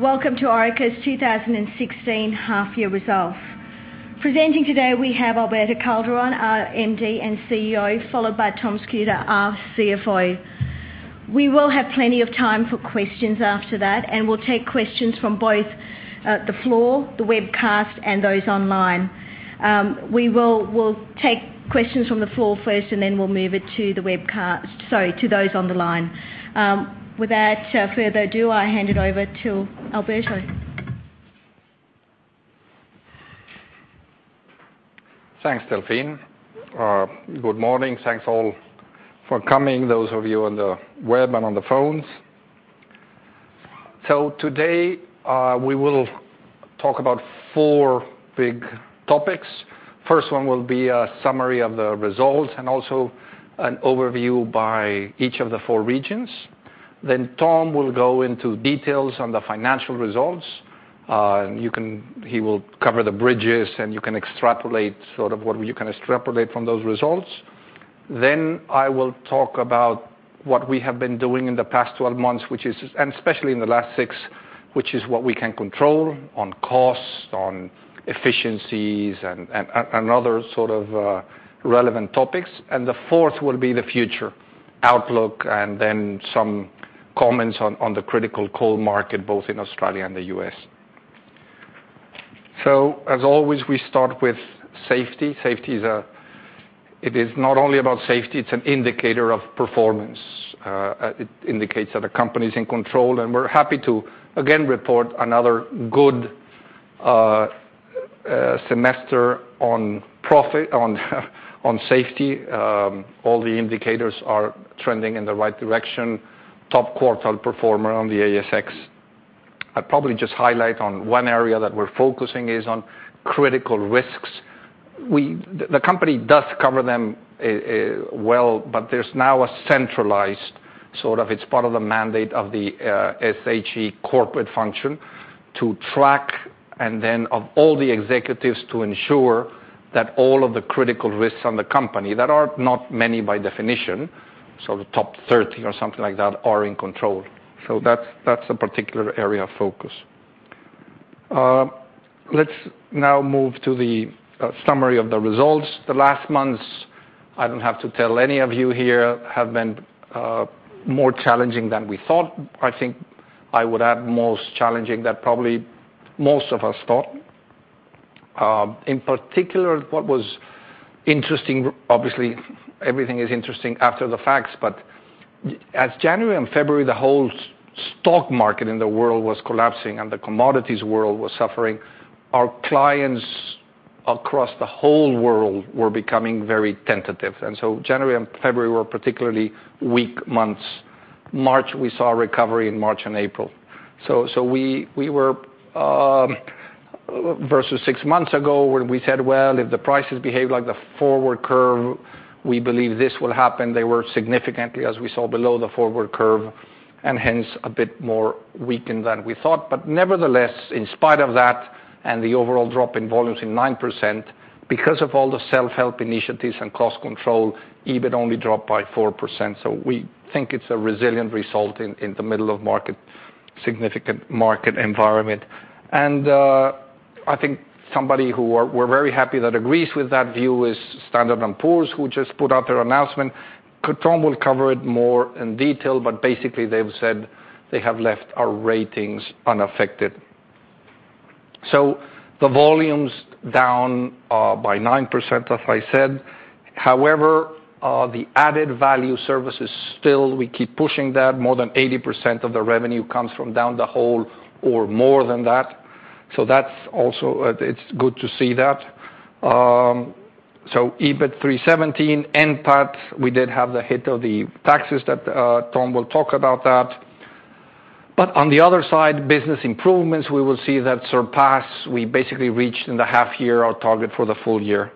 Welcome to Orica's 2016 half-year results. Presenting today, we have Alberto Calderon, our MD and CEO, followed by Tom Schutte, our CFO. We will have plenty of time for questions after that. We'll take questions from both the floor, the webcast, and those online. We will take questions from the floor first. Then we'll move it to those on the line. Without further ado, I hand it over to Alberto. Thanks, Delphine. Good morning. Thanks all for coming, those of you on the web and on the phones. Today, we will talk about four big topics. First one will be a summary of the results and also an overview by each of the four regions. Tom will go into details on the financial results. He will cover the bridges. You can extrapolate from those results. I will talk about what we have been doing in the past 12 months and especially in the last six, which is what we can control on costs, on efficiencies, and other sort of relevant topics. The fourth will be the future outlook and then some comments on the critical coal market, both in Australia and the U.S. As always, we start with safety. It is not only about safety, it's an indicator of performance. It indicates that a company's in control. We're happy to again report another good semester on safety. All the indicators are trending in the right direction. Top quartile performer on the ASX. I'd probably just highlight on one area that we're focusing is on critical risks. The company does cover them well, but there's now a centralized sort of. It's part of the mandate of the SHE corporate function to track. Then of all the executives to ensure that all of the critical risks on the company, that are not many by definition, so the top 30 or something like that, are in control. That's a particular area of focus. Let's now move to the summary of the results. The last months, I don't have to tell any of you here, have been more challenging than we thought. I think I would add most challenging than probably most of us thought. In particular, what was interesting, obviously everything is interesting after the facts. As January and February, the whole stock market in the world was collapsing and the commodities world was suffering, our clients across the whole world were becoming very tentative. January and February were particularly weak months. March, we saw a recovery in March and April. Versus six months ago when we said, "Well, if the prices behave like the forward curve, we believe this will happen." They were significantly, as we saw, below the forward curve. Hence a bit more weakened than we thought. Nevertheless, in spite of that and the overall drop in volumes in 9%, because of all the self-help initiatives and cost control, EBIT only dropped by 4%. We think it's a resilient result in the middle of significant market environment. I think somebody who we're very happy that agrees with that view is Standard & Poor's, who just put out their announcement. Tom will cover it more in detail, but basically they've said they have left our ratings unaffected. The volume's down by 9%, as I said. However, the added value services still we keep pushing that. More than 80% of the revenue comes from down the hole or more than that. That's also good to see that. EBIT 317. NPAT, we did have the hit of the taxes that Tom will talk about that. On the other side, business improvements, we will see that surpass. We basically reached in the half year our target for the full year.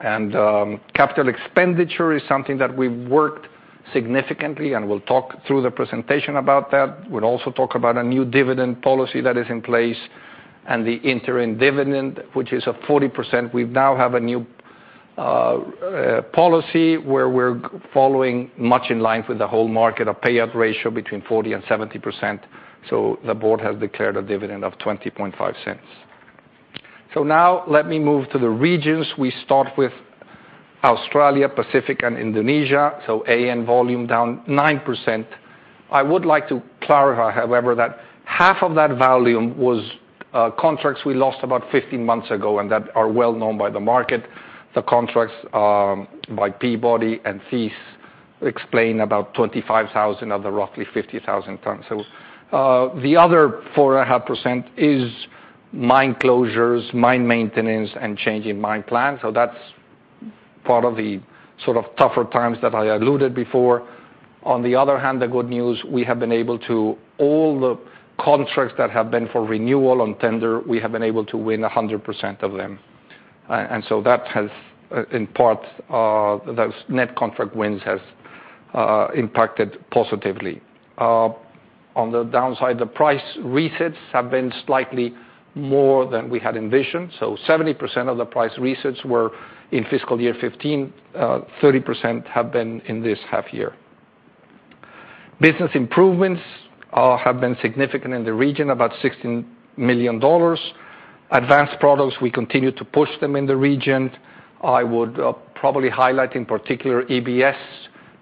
Capital expenditure is something that we've worked significantly and we'll talk through the presentation about that. We'll also talk about a new dividend policy that is in place and the interim dividend, which is a 40%. We now have a new policy where we're following much in line with the whole market, a payout ratio between 40%-70%. The board has declared a dividend of 0.205. Now let me move to the regions. We start with Australia, Pacific, and Indonesia, AN volume down 9%. I would like to clarify, however, that half of that volume was contracts we lost about 15 months ago and that are well-known by the market. The contracts by Peabody and Thiess explain about 25,000 of the roughly 50,000 tons. The other 4.5% is mine closures, mine maintenance, and changing mine plans. That's part of the sort of tougher times that I alluded before. On the other hand, the good news, we have been able to, all the contracts that have been for renewal and tender, we have been able to win 100% of them. That has, in part, those net contract wins has impacted positively. On the downside, the price resets have been slightly more than we had envisioned. 70% of the price resets were in FY 2015, 30% have been in this half year. Business improvements have been significant in the region, about 16 million dollars. Advanced products, we continue to push them in the region. I would probably highlight, in particular, EBS.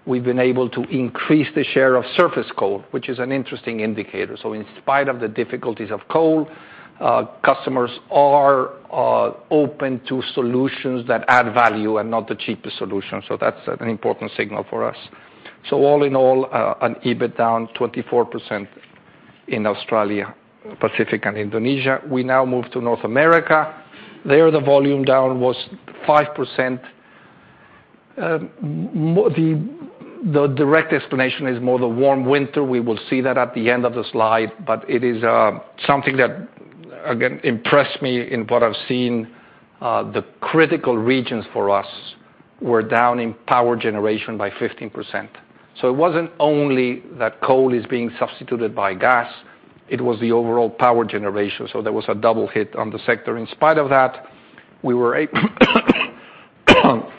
We've been able to increase the share of surface coal, which is an interesting indicator. In spite of the difficulties of coal, customers are open to solutions that add value and not the cheapest solution. That's an important signal for us. All in all, an EBIT down 24% in Australia, Pacific, and Indonesia. We now move to North America. There, the volume down was 5%. The direct explanation is more the warm winter. We will see that at the end of the slide, but it is something that, again, impressed me in what I've seen. The critical regions for us were down in power generation by 15%. It wasn't only that coal is being substituted by gas, it was the overall power generation. There was a double hit on the sector. In spite of that, we were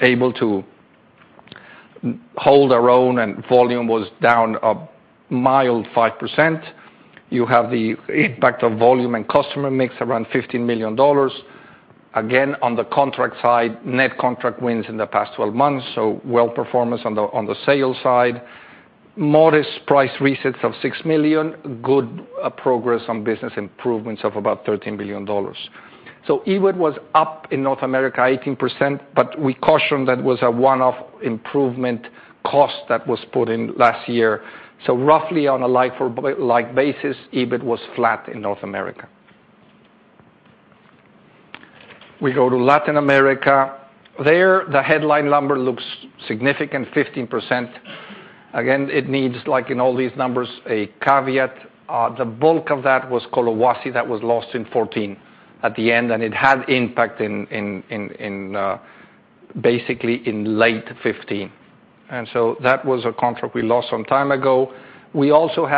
able to hold our own, and volume was down a mild 5%. You have the impact of volume and customer mix around 15 million dollars. On the contract side, net contract wins in the past 12 months, so well performance on the sales side. Modest price resets of 6 million. Good progress on business improvements of about 13 million dollars. EBIT was up in North America 18%, but we caution that was a one-off improvement cost that was put in last year. Roughly on a like-for-like basis, EBIT was flat in North America. We go to Latin America. There, the headline number looks significant, 15%. It needs, like in all these numbers, a caveat. The bulk of that was Collahuasi that was lost in 2014 at the end, and it had impact basically in late 2015. That was a contract we lost some time ago. We also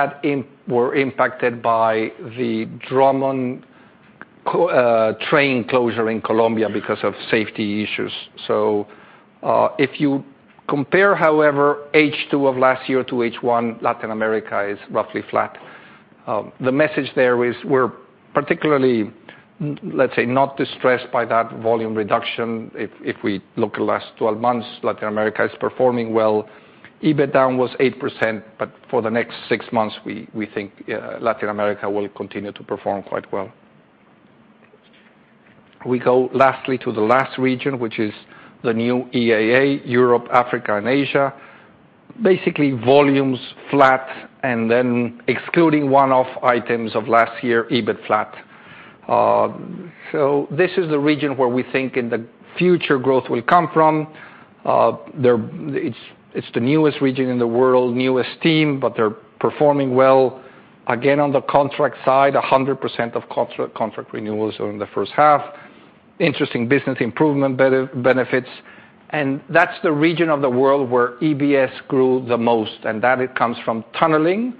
were impacted by the Drummond train closure in Colombia because of safety issues. If you compare, however, H2 of last year to H1, Latin America is roughly flat. The message there is we're particularly, let's say, not distressed by that volume reduction. If we look at the last 12 months, Latin America is performing well. EBIT down was 8%, but for the next six months, we think Latin America will continue to perform quite well. We go lastly to the last region, which is the new EAA, Europe, Africa, and Asia. Basically, volumes flat, and then excluding one-off items of last year, EBIT flat. This is the region where we think in the future growth will come from. It's the newest region in the world, newest team, but they're performing well. On the contract side, 100% of contract renewals are in the first half. Interesting business improvement benefits. That's the region of the world where EBS grew the most, and that it comes from tunneling,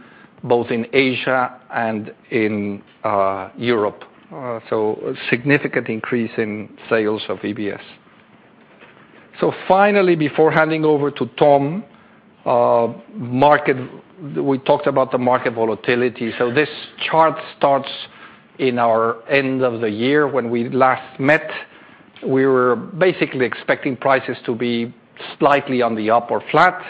both in Asia and in Europe. A significant increase in sales of EBS. Finally, before handing over to Tom, we talked about the market volatility. This chart starts in our end of the year when we last met. We were basically expecting prices to be slightly on the up or flat.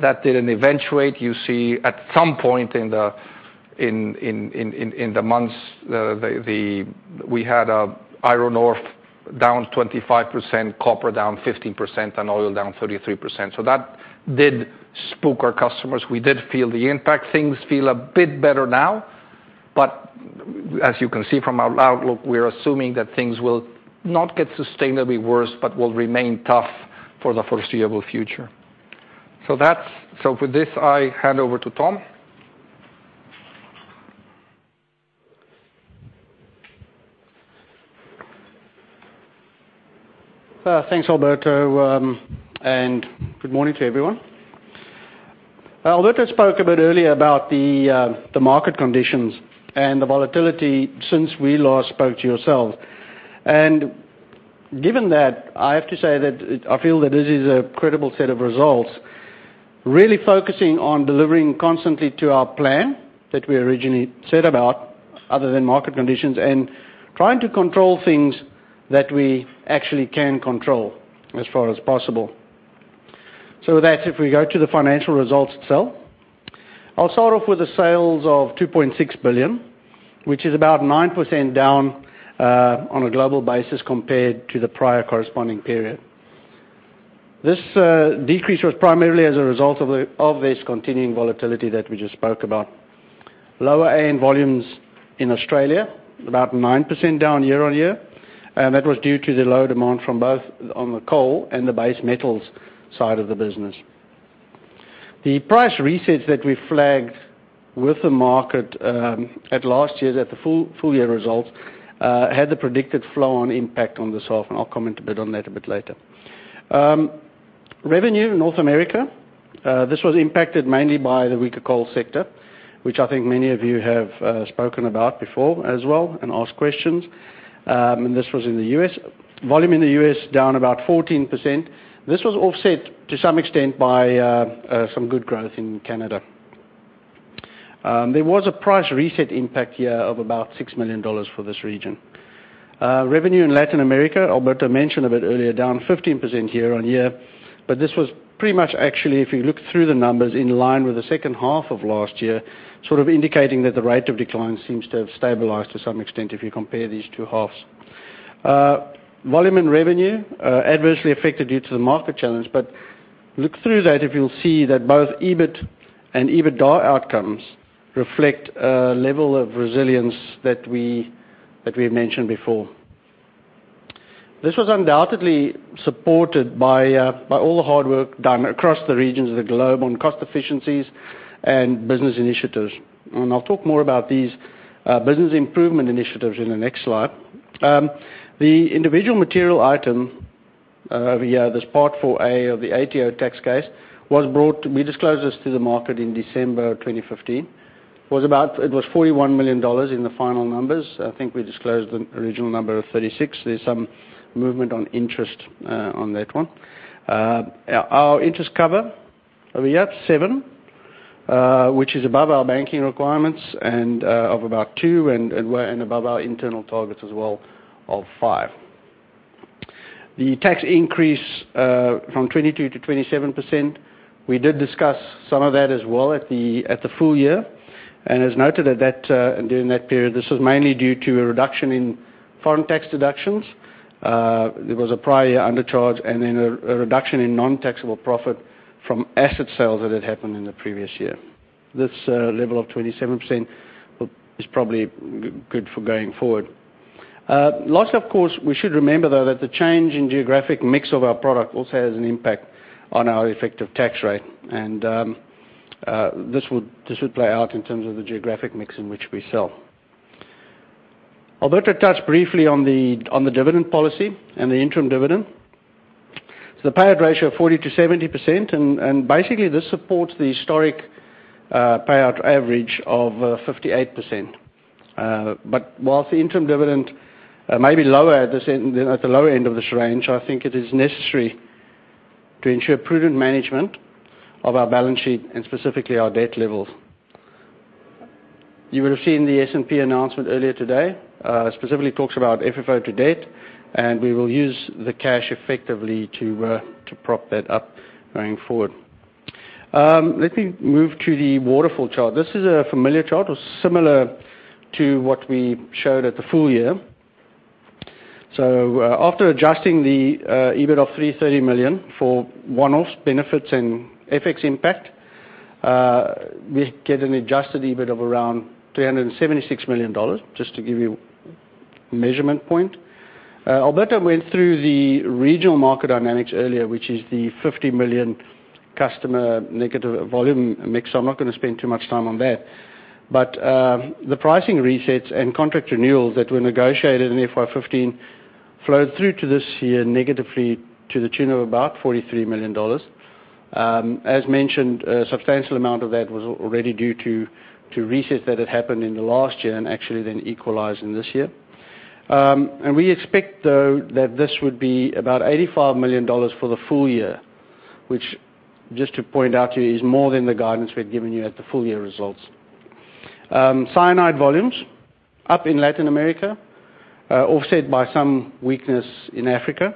That didn't eventuate. You see at some point in the months, we had iron ore down 25%, copper down 15%, and oil down 33%. That did spook our customers. We did feel the impact. Things feel a bit better now, but as you can see from our outlook, we're assuming that things will not get sustainably worse but will remain tough for the foreseeable future. With this, I hand over to Tom. Thanks, Alberto, good morning to everyone. Alberto spoke a bit earlier about the market conditions and the volatility since we last spoke to yourselves. Given that, I have to say that I feel that this is a credible set of results, really focusing on delivering constantly to our plan that we originally set about, other than market conditions, and trying to control things that we actually can control as far as possible. With that, if we go to the financial results itself. I'll start off with the sales of 2.6 billion, which is about 9% down on a global basis compared to the prior corresponding period. This decrease was primarily as a result of this continuing volatility that we just spoke about. Lower AN volumes in Australia, about 9% down year-on-year. That was due to the low demand from both on the coal and the base metals side of the business. The price resets that we flagged with the market at last year at the full year results had the predicted flow-on impact on this half. I'll comment a bit on that a bit later. Revenue in North America, this was impacted mainly by the weaker coal sector, which I think many of you have spoken about before as well and asked questions. This was in the U.S. Volume in the U.S. down about 14%. This was offset to some extent by some good growth in Canada. There was a price reset impact year of about 6 million dollars for this region. Revenue in Latin America, Alberto mentioned a bit earlier, down 15% year-on-year. This was pretty much actually, if you look through the numbers, in line with the second half of last year, sort of indicating that the rate of decline seems to have stabilized to some extent if you compare these two halves. Volume and revenue adversely affected due to the market challenge, but look through that if you'll see that both EBIT and EBITDA outcomes reflect a level of resilience that we mentioned before. This was undoubtedly supported by all the hard work done across the regions of the globe on cost efficiencies and business initiatives. I'll talk more about these business improvement initiatives in the next slide. The individual material item of the year, this Part IVA of the ATO tax case, we disclosed this to the market in December of 2015. It was 41 million dollars in the final numbers. I think we disclosed the original number of 36. There's some movement on interest on that one. Our interest cover are we at 7, which is above our banking requirements and of about 2, and above our internal targets as well of 5. The tax increase from 22%-27%, we did discuss some of that as well at the full year, and as noted during that period, this was mainly due to a reduction in foreign tax deductions. There was a prior year undercharge and then a reduction in non-taxable profit from asset sales that had happened in the previous year. This level of 27% is probably good for going forward. Last, of course, we should remember though, that the change in geographic mix of our product also has an impact on our effective tax rate. This would play out in terms of the geographic mix in which we sell. Alberto touched briefly on the dividend policy and the interim dividend. The payout ratio of 40%-70%, and basically this supports the historic payout average of 58%. Whilst the interim dividend may be at the lower end of this range, I think it is necessary to ensure prudent management of our balance sheet and specifically our debt levels. You would have seen the S&P announcement earlier today, specifically talks about FFO to debt. We will use the cash effectively to prop that up going forward. Let me move to the waterfall chart. This is a familiar chart. It's similar to what we showed at the full year. After adjusting the EBIT of 330 million for one-offs, benefits and FX impact, we get an adjusted EBIT of around 376 million dollars, just to give you a measurement point. Alberto went through the regional market dynamics earlier, which is the 50 million customer negative volume mix, I'm not going to spend too much time on that. The pricing resets and contract renewals that were negotiated in FY 2015 flowed through to this year negatively to the tune of about 43 million dollars. As mentioned, a substantial amount of that was already due to resets that had happened in the last year and actually then equalized in this year. We expect, though, that this would be about 85 million dollars for the full year, which just to point out to you is more than the guidance we'd given you at the full-year results. Cyanide volumes, up in Latin America, offset by some weakness in Africa.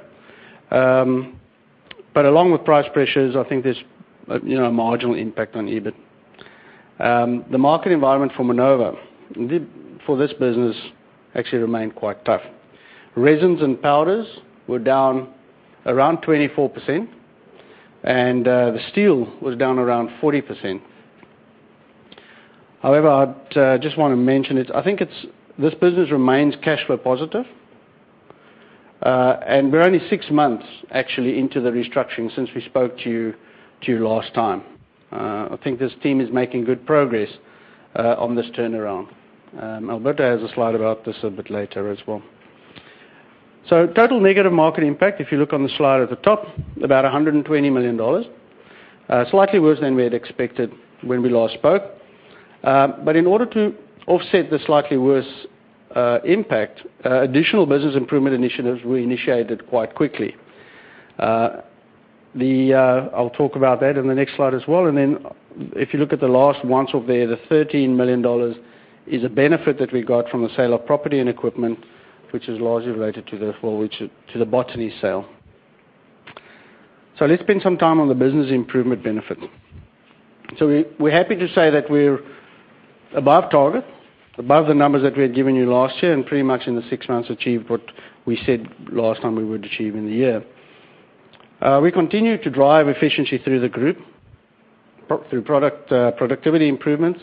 Along with price pressures, I think there's a marginal impact on EBIT. The market environment for Minova for this business actually remained quite tough. Resins and powders were down around 24%, and the steel was down around 40%. However, I just want to mention, I think this business remains cash flow positive. We're only six months actually into the restructuring since we spoke to you last time. I think this team is making good progress on this turnaround. Alberto has a slide about this a bit later as well. Total negative market impact, if you look on the slide at the top, about 120 million dollars. Slightly worse than we had expected when we last spoke. In order to offset the slightly worse impact, additional business improvement initiatives were initiated quite quickly. I'll talk about that in the next slide as well. If you look at the last once off there, the 13 million dollars is a benefit that we got from the sale of property and equipment, which is largely related to the Botany sale. Let's spend some time on the business improvement benefit. We're happy to say that we're above target, above the numbers that we had given you last year, and pretty much in the six months achieved what we said last time we would achieve in the year. We continue to drive efficiency through the group through productivity improvements.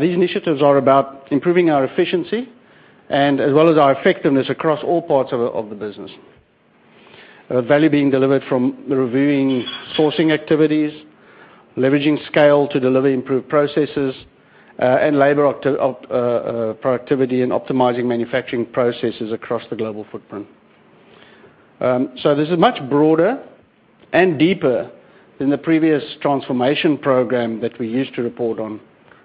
These initiatives are about improving our efficiency and as well as our effectiveness across all parts of the business. Value being delivered from reviewing sourcing activities, leveraging scale to deliver improved processes, and labor productivity and optimizing manufacturing processes across the global footprint. This is much broader and deeper than the previous transformation program that we used to report on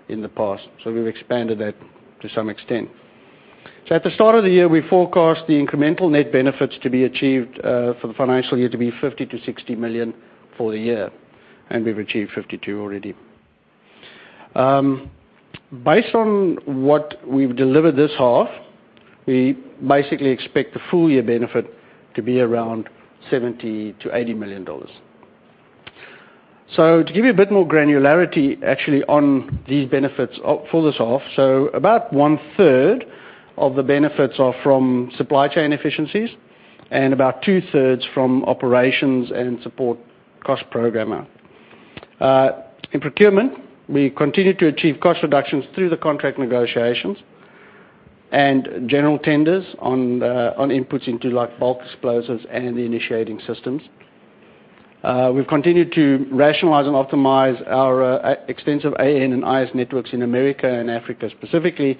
in the past. We've expanded that to some extent. At the start of the year, we forecast the incremental net benefits to be achieved for the financial year to be 50 million-60 million for the year, and we've achieved 52 already. Based on what we've delivered this half, we basically expect the full year benefit to be around 70 million-80 million dollars. To give you a bit more granularity, actually, on these benefits for this half. About one third of the benefits are from supply chain efficiencies and about two-thirds from operations and support cost program. In procurement, we continue to achieve cost reductions through the contract negotiations and general tenders on inputs into bulk explosives and Initiating Systems. We've continued to rationalize and optimize our extensive AN and IS networks in America and Africa specifically,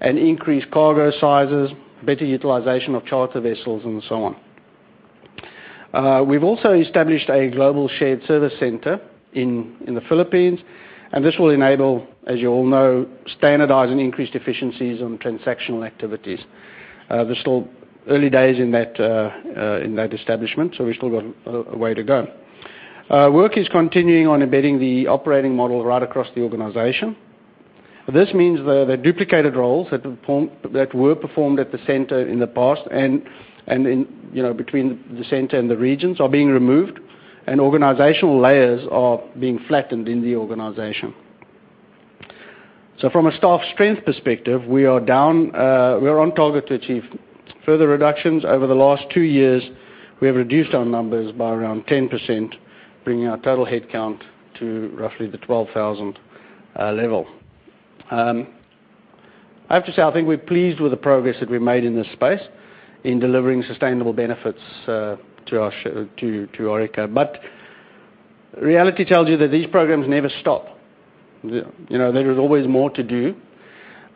increase cargo sizes, better utilization of charter vessels, and so on. We've also established a global shared service center in the Philippines. This will enable, as you all know, standardize and increased efficiencies on transactional activities. We're still early days in that establishment, we still got a way to go. Work is continuing on embedding the operating model right across the organization. This means the duplicated roles that were performed at the center in the past and between the center and the regions are being removed and organizational layers are being flattened in the organization. From a staff strength perspective, we are on target to achieve further reductions. Over the last two years, we have reduced our numbers by around 10%, bringing our total head count to roughly the 12,000 level. I have to say, I think we're pleased with the progress that we've made in this space in delivering sustainable benefits to Orica. Reality tells you that these programs never stop. There is always more to do,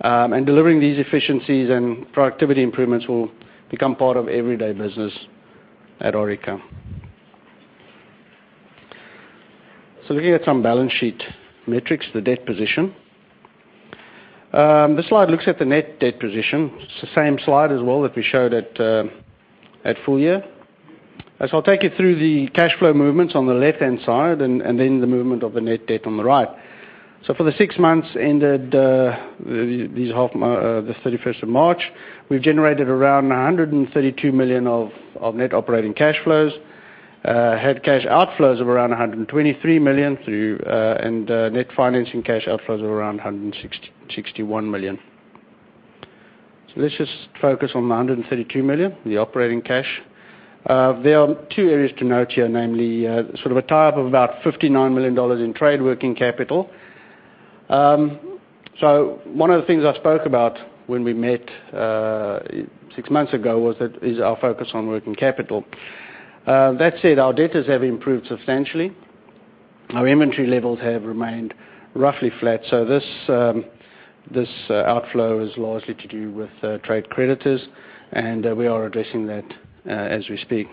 delivering these efficiencies and productivity improvements will become part of everyday business at Orica. Looking at some balance sheet metrics, the debt position. This slide looks at the net debt position. It's the same slide as well that we showed at full year. As I'll take you through the cash flow movements on the left-hand side and then the movement of the net debt on the right. For the six months ended the 31st of March, we've generated around 132 million of net operating cash flows, had cash outflows of around 123 million and net financing cash outflows of around 161 million. Let's just focus on the 132 million, the operating cash. There are two areas to note here, namely sort of a tie-up of about 59 million dollars in trade working capital. One of the things I spoke about when we met six months ago was that is our focus on working capital. That said, our debtors have improved substantially. Our inventory levels have remained roughly flat. This outflow is largely to do with trade creditors, we are addressing that as we speak.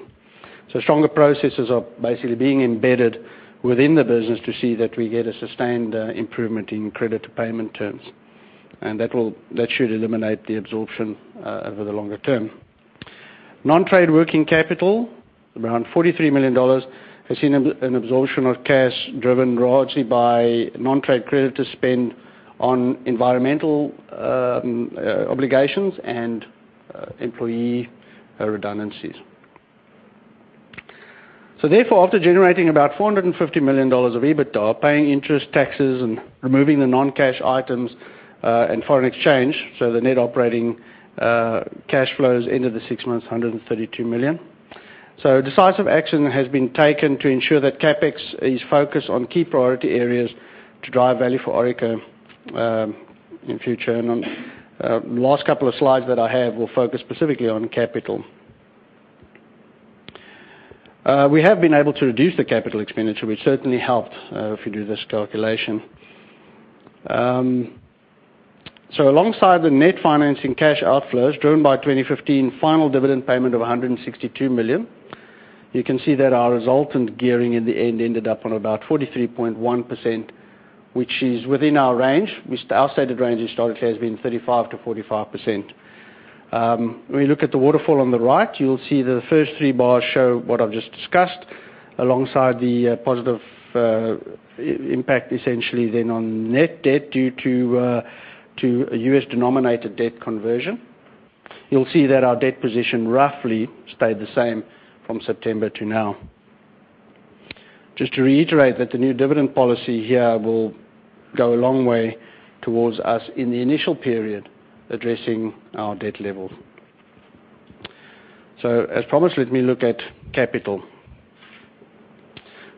Stronger processes are basically being embedded within the business to see that we get a sustained improvement in credit payment terms. That should eliminate the absorption over the longer term. Non-trade working capital, around 43 million dollars, has seen an absorption of cash driven largely by non-trade creditor spend on environmental obligations and employee redundancies. Therefore, after generating about 450 million dollars of EBITDA, paying interest taxes and removing the non-cash items and foreign exchange, the net operating cash flows into the six months, 132 million. Decisive action has been taken to ensure that CapEx is focused on key priority areas to drive value for Orica in future. The last couple of slides that I have will focus specifically on capital. We have been able to reduce the capital expenditure, which certainly helped if you do this calculation. Alongside the net financing cash outflows driven by 2015 final dividend payment of 162 million, you can see that our resultant gearing in the end ended up on about 43.1%, which is within our range. Our stated range historically has been 35%-45%. Looking at the waterfall on the right, you'll see the first three bars show what I've just discussed alongside the positive impact essentially then on net debt due to a U.S.-denominated debt conversion. You'll see that our debt position roughly stayed the same from September to now. Just to reiterate that the new dividend policy here will go a long way towards us in the initial period addressing our debt level. As promised, let me look at capital.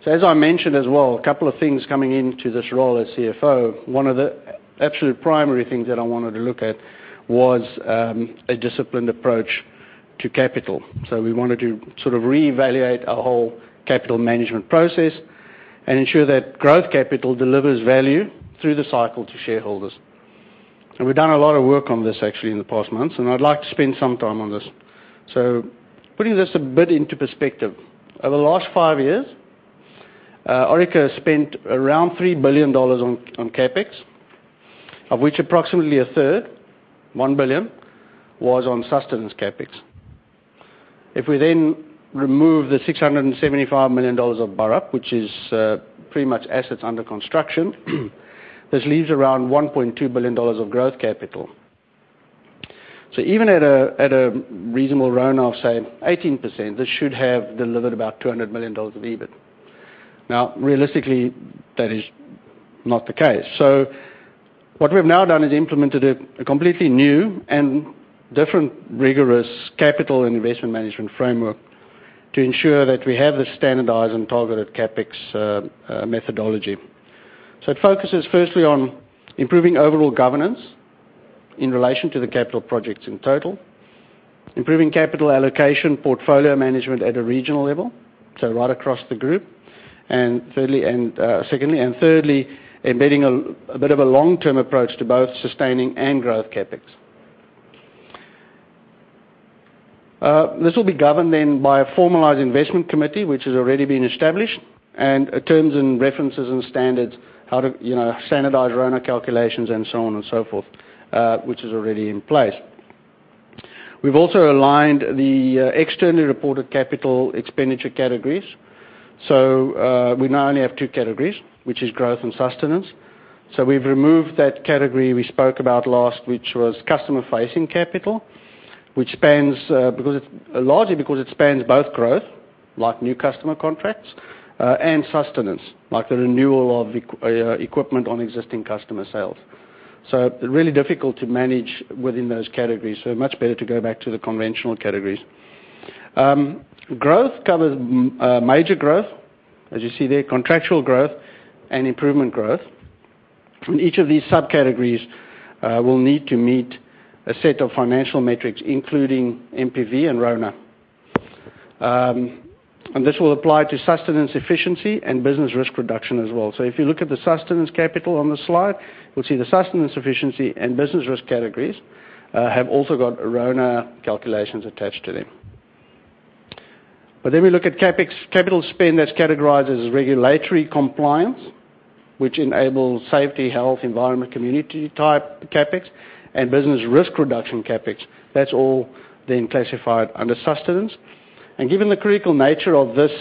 As I mentioned as well, a couple of things coming into this role as CFO. One of the absolute primary things that I wanted to look at was a disciplined approach to capital. We wanted to sort of reevaluate our whole capital management process and ensure that growth capital delivers value through the cycle to shareholders. We've done a lot of work on this actually in the past months, and I'd like to spend some time on this. Putting this a bit into perspective. Over the last five years, Orica has spent around 3 billion dollars on CapEx, of which approximately a third, 1 billion, was on sustenance CapEx. Removing the 675 million dollars of Burrup, which is pretty much assets under construction, this leaves around 1.2 billion dollars of growth capital. Even at a reasonable runoff, say 18%, this should have delivered about 200 million dollars of EBIT. Now, realistically, that is not the case. What we've now done is implemented a completely new and different rigorous capital investment management framework to ensure that we have the standardized and targeted CapEx methodology. It focuses firstly on improving overall governance in relation to the capital projects in total, improving capital allocation portfolio management at a regional level, right across the group, secondly. Thirdly, embedding a bit of a long-term approach to both sustaining and growth CapEx. This will be governed then by a formalized investment committee, which has already been established, and terms and references and standards, how to standardize RONA calculations and so on and so forth, which is already in place. We've also aligned the externally reported capital expenditure categories. We now only have two categories, which is growth and sustenance. We've removed that category we spoke about last, which was customer-facing capital, largely because it spans both growth, like new customer contracts, and sustenance, like the renewal of equipment on existing customer sales. Really difficult to manage within those categories, much better to go back to the conventional categories. Growth covers major growth, as you see there, contractual growth, and improvement growth. Each of these subcategories will need to meet a set of financial metrics, including NPV and RONA. This will apply to sustenance efficiency and business risk reduction as well. If you look at the sustenance capital on the slide, you'll see the sustenance efficiency and business risk categories have also got RONA calculations attached to them. We look at CapEx capital spend that's categorized as regulatory compliance, which enables safety, health, environment, community type CapEx, and business risk reduction CapEx. That's all classified under sustenance. Given the critical nature of this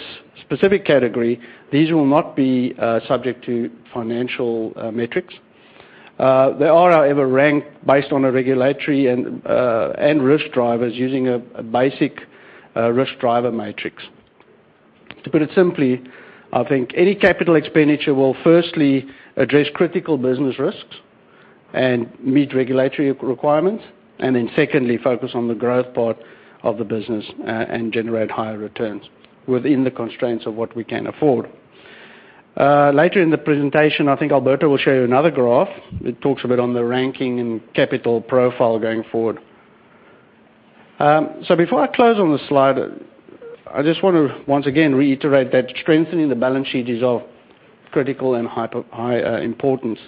specific category, these will not be subject to financial metrics. They are, however, ranked based on regulatory and risk drivers using a basic risk driver matrix. To put it simply, I think any capital expenditure will firstly address critical business risks and meet regulatory requirements, secondly, focus on the growth part of the business and generate higher returns within the constraints of what we can afford. Later in the presentation, I think Alberto will show you another graph. It talks a bit on the ranking and capital profile going forward. Before I close on the slide, I just want to once again reiterate that strengthening the balance sheet is of critical and high importance.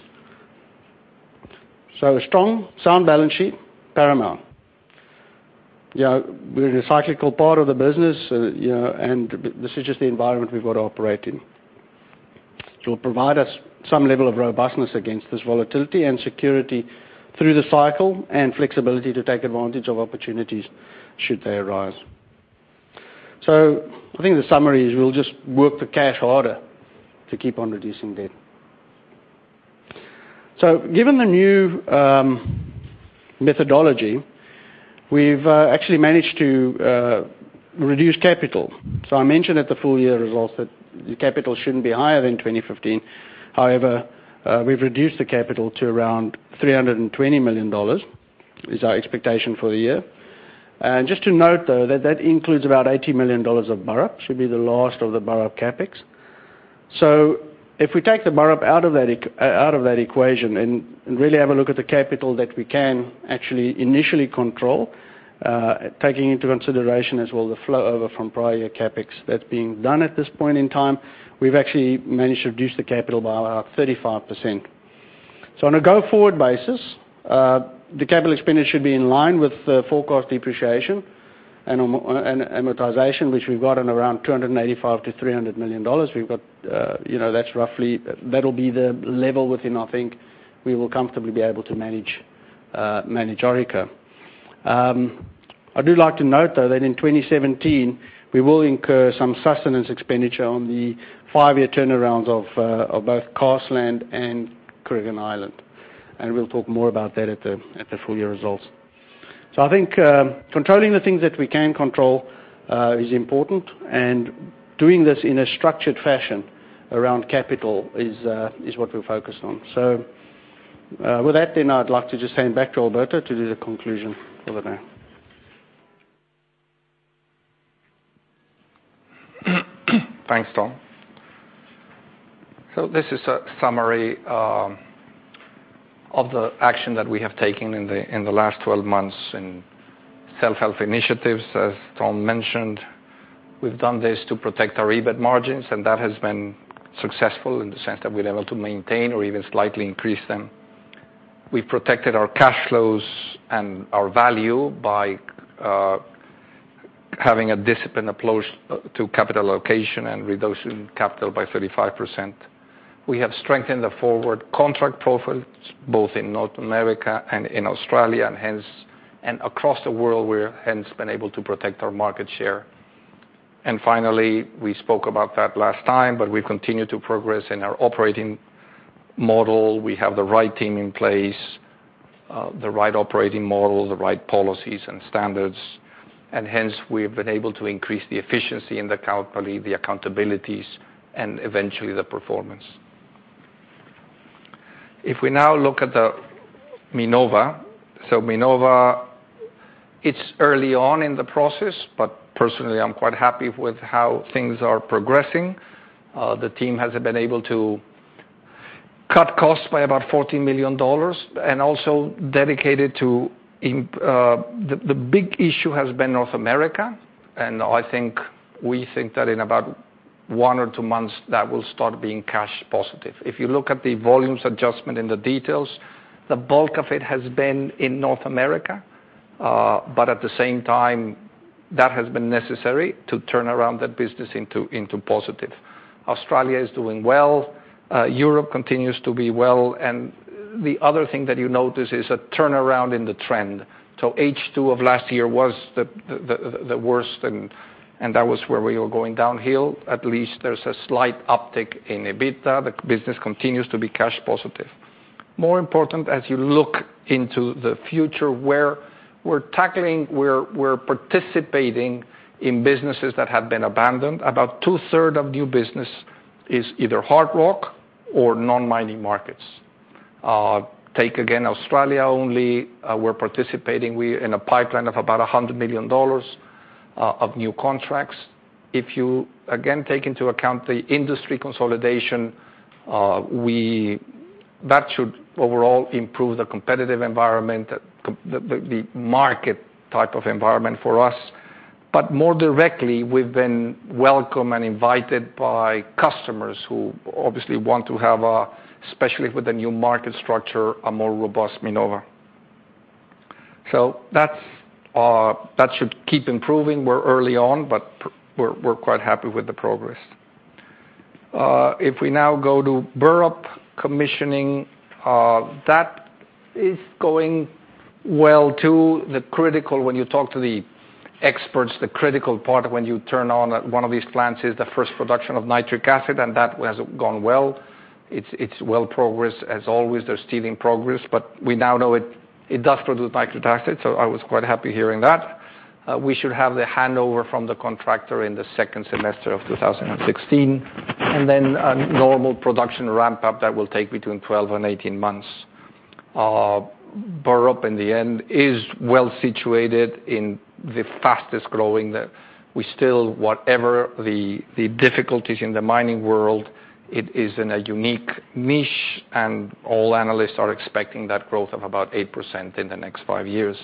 A strong, sound balance sheet, paramount. We're in a cyclical part of the business, this is just the environment we've got to operate in. It will provide us some level of robustness against this volatility and security through the cycle and flexibility to take advantage of opportunities should they arise. I think the summary is we'll just work the cash harder to keep on reducing debt. Given the new methodology, we've actually managed to reduce capital. I mentioned at the full-year results that the capital shouldn't be higher than 2015. However, we've reduced the capital to around 320 million dollars, is our expectation for the year. Just to note, though, that that includes about 80 million dollars of Burrup. Should be the last of the Burrup CapEx. If we take the Burrup out of that equation and really have a look at the capital that we can actually initially control, taking into consideration as well the flow over from prior year CapEx that's being done at this point in time, we've actually managed to reduce the capital by 35%. On a go-forward basis, the capital expenditure should be in line with the full cost depreciation and amortization, which we've got on around 285 million-300 million dollars. That'll be the level within, I think, we will comfortably be able to manage Orica. I do like to note, though, that in 2017, we will incur some sustenance expenditure on the five-year turnarounds of both Carseland and Kooragang Island, we'll talk more about that at the full-year results. I think controlling the things that we can control is important, doing this in a structured fashion around capital is what we're focused on. With that I'd like to just hand back to Alberto to do the conclusion for the day. Thanks, Tom. This is a summary of the action that we have taken in the last 12 months in self-help initiatives, as Tom mentioned. We've done this to protect our EBIT margins, and that has been successful in the sense that we're able to maintain or even slightly increase them. We've protected our cash flows and our value by having a disciplined approach to capital allocation and reducing capital by 35%. We have strengthened the forward contract profiles both in North America and in Australia, and across the world we're hence been able to protect our market share. Finally, we spoke about that last time, but we continue to progress in our operating model. We have the right team in place, the right operating model, the right policies and standards, and hence we have been able to increase the efficiency and the accountability, and eventually the performance. We now look at the Minova. Minova, it's early on in the process, but personally, I'm quite happy with how things are progressing. The team has been able to cut costs by about AUD 14 million. The big issue has been North America, and we think that in about one or two months that will start being cash positive. You look at the volumes adjustment in the details, the bulk of it has been in North America. At the same time, that has been necessary to turn around that business into positive. Australia is doing well. Europe continues to be well, and the other thing that you notice is a turnaround in the trend. H2 of last year was the worst, and that was where we were going downhill. At least there's a slight uptick in EBITDA. The business continues to be cash positive. More important, as you look into the future where we're tackling, we're participating in businesses that have been abandoned. About two-thirds of new business is either hard rock or non-mining markets. Take again, Australia only, we're participating in a pipeline of about 100 million dollars of new contracts. You again take into account the industry consolidation, that should overall improve the competitive environment, the market type of environment for us. More directly, we've been welcome and invited by customers who obviously want to have a, especially with the new market structure, a more robust Minova. That should keep improving. We're early on, but we're quite happy with the progress. We now go to Burrup commissioning, that is going well, too. When you talk to the experts, the critical part when you turn on one of these plants is the first production of nitric acid, and that has gone well. It's well progressed as always. They're still in progress, but we now know it does produce nitric acid. I was quite happy hearing that. We should have the handover from the contractor in the second semester of 2016, and then a normal production ramp-up that will take between 12 and 18 months. Burrup, in the end, is well situated in the fastest growing. We still, whatever the difficulties in the mining world, it is in a unique niche and all analysts are expecting that growth of about 8% in the next five years.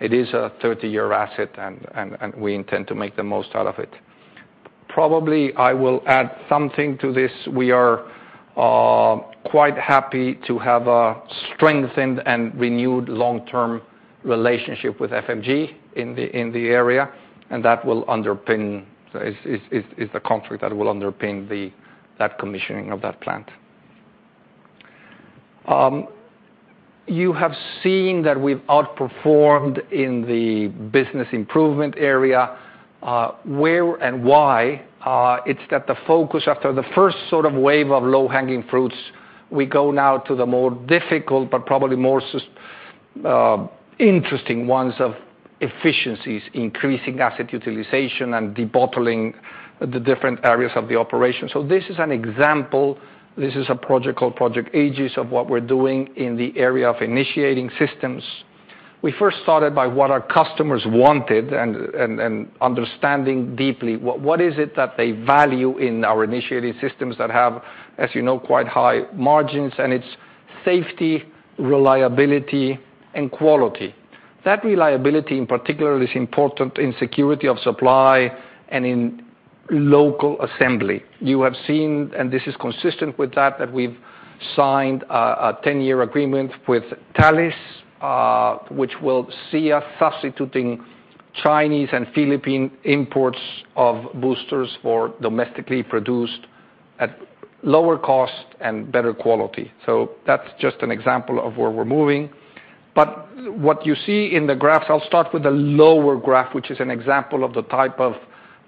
It is a 30-year asset, and we intend to make the most out of it. Probably I will add something to this. We are quite happy to have a strengthened and renewed long-term relationship with FMG in the area, and it's a contract that will underpin that commissioning of that plant. You have seen that we've outperformed in the business improvement area. Where and why? It's that the focus after the first sort of wave of low-hanging fruits, we go now to the more difficult but probably more interesting ones of efficiencies, increasing asset utilization, and debottlenecking the different areas of the operation. This is an example. This is a project called Project Aegis of what we're doing in the area of Initiating Systems. We first started by what our customers wanted and understanding deeply what is it that they value in our Initiating Systems that have, as you know, quite high margins, and it's safety, reliability, and quality. That reliability in particular is important in security of supply and in local assembly. You have seen, and this is consistent with that we've signed a 10-year agreement with Thales, which will see us substituting Chinese and Philippine imports of Boosters for domestically produced at lower cost and better quality. That's just an example of where we're moving. What you see in the graphs, I'll start with the lower graph, which is an example of the type of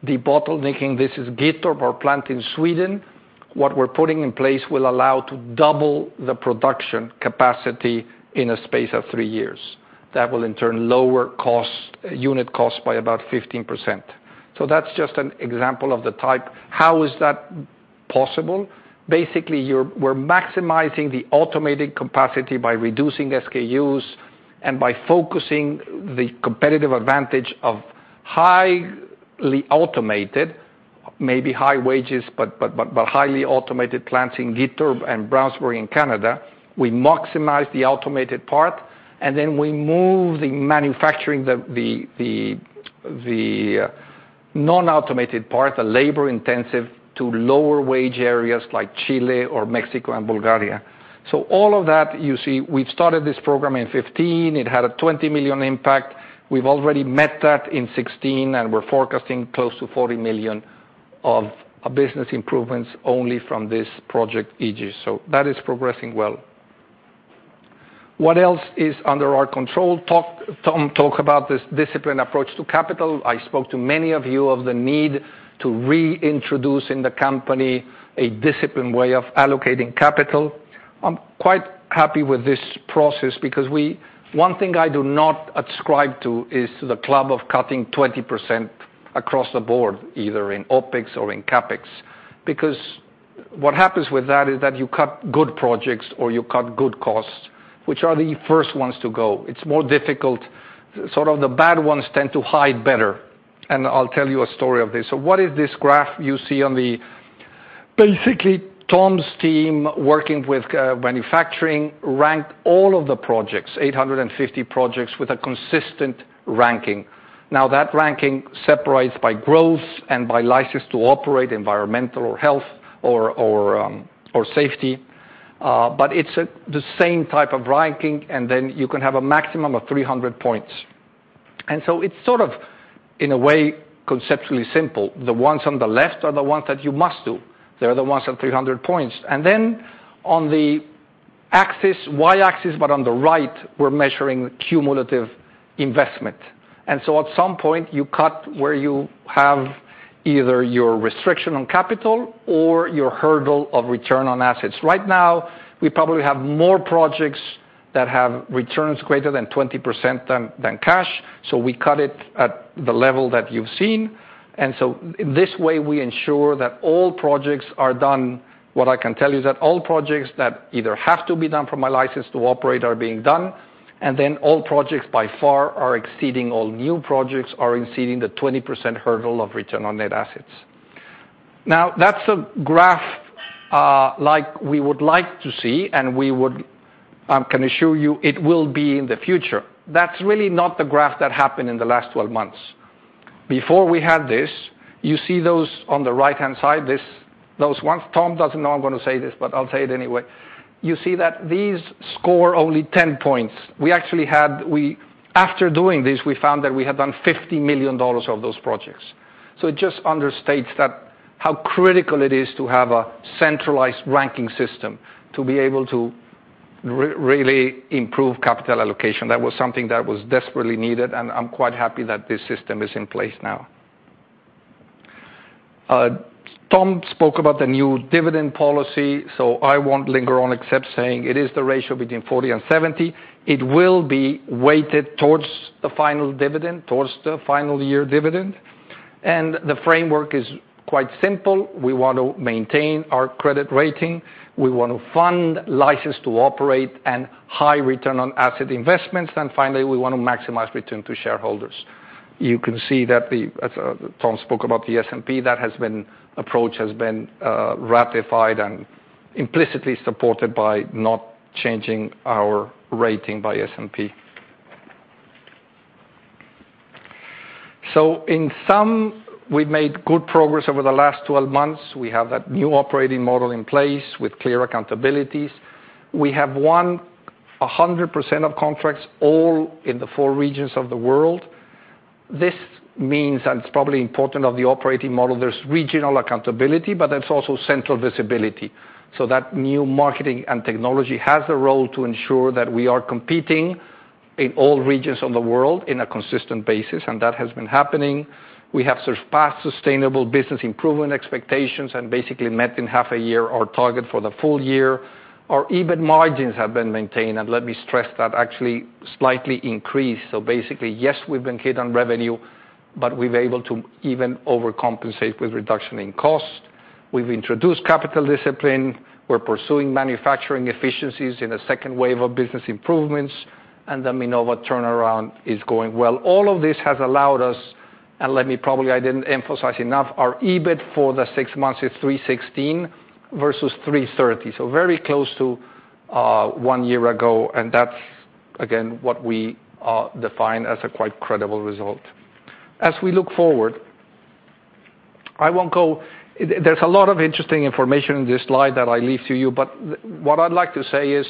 debottlenecking. This is Gyttorp, our plant in Sweden. What we're putting in place will allow to double the production capacity in a space of three years. That will in turn lower unit cost by about 15%. That's just an example of the type. How is that possible? Basically, we're maximizing the automated capacity by reducing SKUs and by focusing the competitive advantage of highly automated Maybe high wages, but highly automated plants in Gyttorp and Brownsburg in Canada. We maximize the automated part, and then we move the manufacturing, the non-automated part, the labor-intensive, to lower wage areas like Chile or Mexico and Bulgaria. All of that, you see, we've started this program in 2015. It had an 20 million impact. We've already met that in 2016, and we're forecasting close to 40 million of business improvements only from this project, Aegis. That is progressing well. What else is under our control? Tom talked about this disciplined approach to capital. I spoke to many of you of the need to reintroduce in the company a disciplined way of allocating capital. I'm quite happy with this process because one thing I do not ascribe to is the club of cutting 20% across the board, either in OpEx or in CapEx. What happens with that is that you cut good projects or you cut good costs, which are the first ones to go. It's more difficult. Sort of the bad ones tend to hide better. I'll tell you a story of this. What is this graph you see? Basically, Tom's team, working with manufacturing, ranked all of the projects, 850 projects, with a consistent ranking. That ranking separates by growth and by license to operate, environmental or health or safety. It's the same type of ranking, and then you can have a maximum of 300 points. It's sort of, in a way, conceptually simple. The ones on the left are the ones that you must do. They're the ones at 300 points. On the y-axis, but on the right, we're measuring cumulative investment. At some point, you cut where you have either your restriction on capital or your hurdle of return on assets. Right now, we probably have more projects that have returns greater than 20% than cash, so we cut it at the level that you've seen. This way, we ensure that all projects are done. What I can tell you is that all projects that either have to be done for my license to operate are being done, and then all projects by far are exceeding all new projects, are exceeding the 20% hurdle of return on net assets. That's a graph like we would like to see, and we would. I can assure you it will be in the future. That's really not the graph that happened in the last 12 months. Before we had this, you see those on the right-hand side, those ones. Tom doesn't know I'm going to say this, but I'll say it anyway. You see that these score only 10 points. After doing this, we found that we had done 50 million dollars of those projects. It just understates how critical it is to have a centralized ranking system to be able to really improve capital allocation. That was something that was desperately needed, and I'm quite happy that this system is in place now. Tom spoke about the new dividend policy, so I won't linger on except saying it is the ratio between 40 and 70. It will be weighted towards the final dividend, towards the final year dividend. The framework is quite simple. We want to maintain our credit rating. We want to fund license to operate and high return on asset investments. Finally, we want to maximize return to shareholders. You can see that as Tom spoke about the S&P, that approach has been ratified and implicitly supported by not changing our rating by S&P. In sum, we've made good progress over the last 12 months. We have that new operating model in place with clear accountabilities. We have won 100% of contracts all in the four regions of the world. This means, and it's probably important of the operating model, there's regional accountability, but there's also central visibility. That new marketing and technology has a role to ensure that we are competing in all regions of the world on a consistent basis, and that has been happening. We have surpassed sustainable business improvement expectations and basically met in half a year our target for the full year. Our EBIT margins have been maintained, and let me stress that actually slightly increased. Basically, yes, we've been hit on revenue, but we're able to even overcompensate with reduction in cost. We've introduced capital discipline. We're pursuing manufacturing efficiencies in a second wave of business improvements. The Minova turnaround is going well. All of this has allowed us, and let me probably I didn't emphasize enough, our EBIT for the six months is 316 versus 330. Very close to one year ago, and that's, again, what we define as a quite credible result. As we look forward, there's a lot of interesting information in this slide that I leave to you. What I'd like to say is,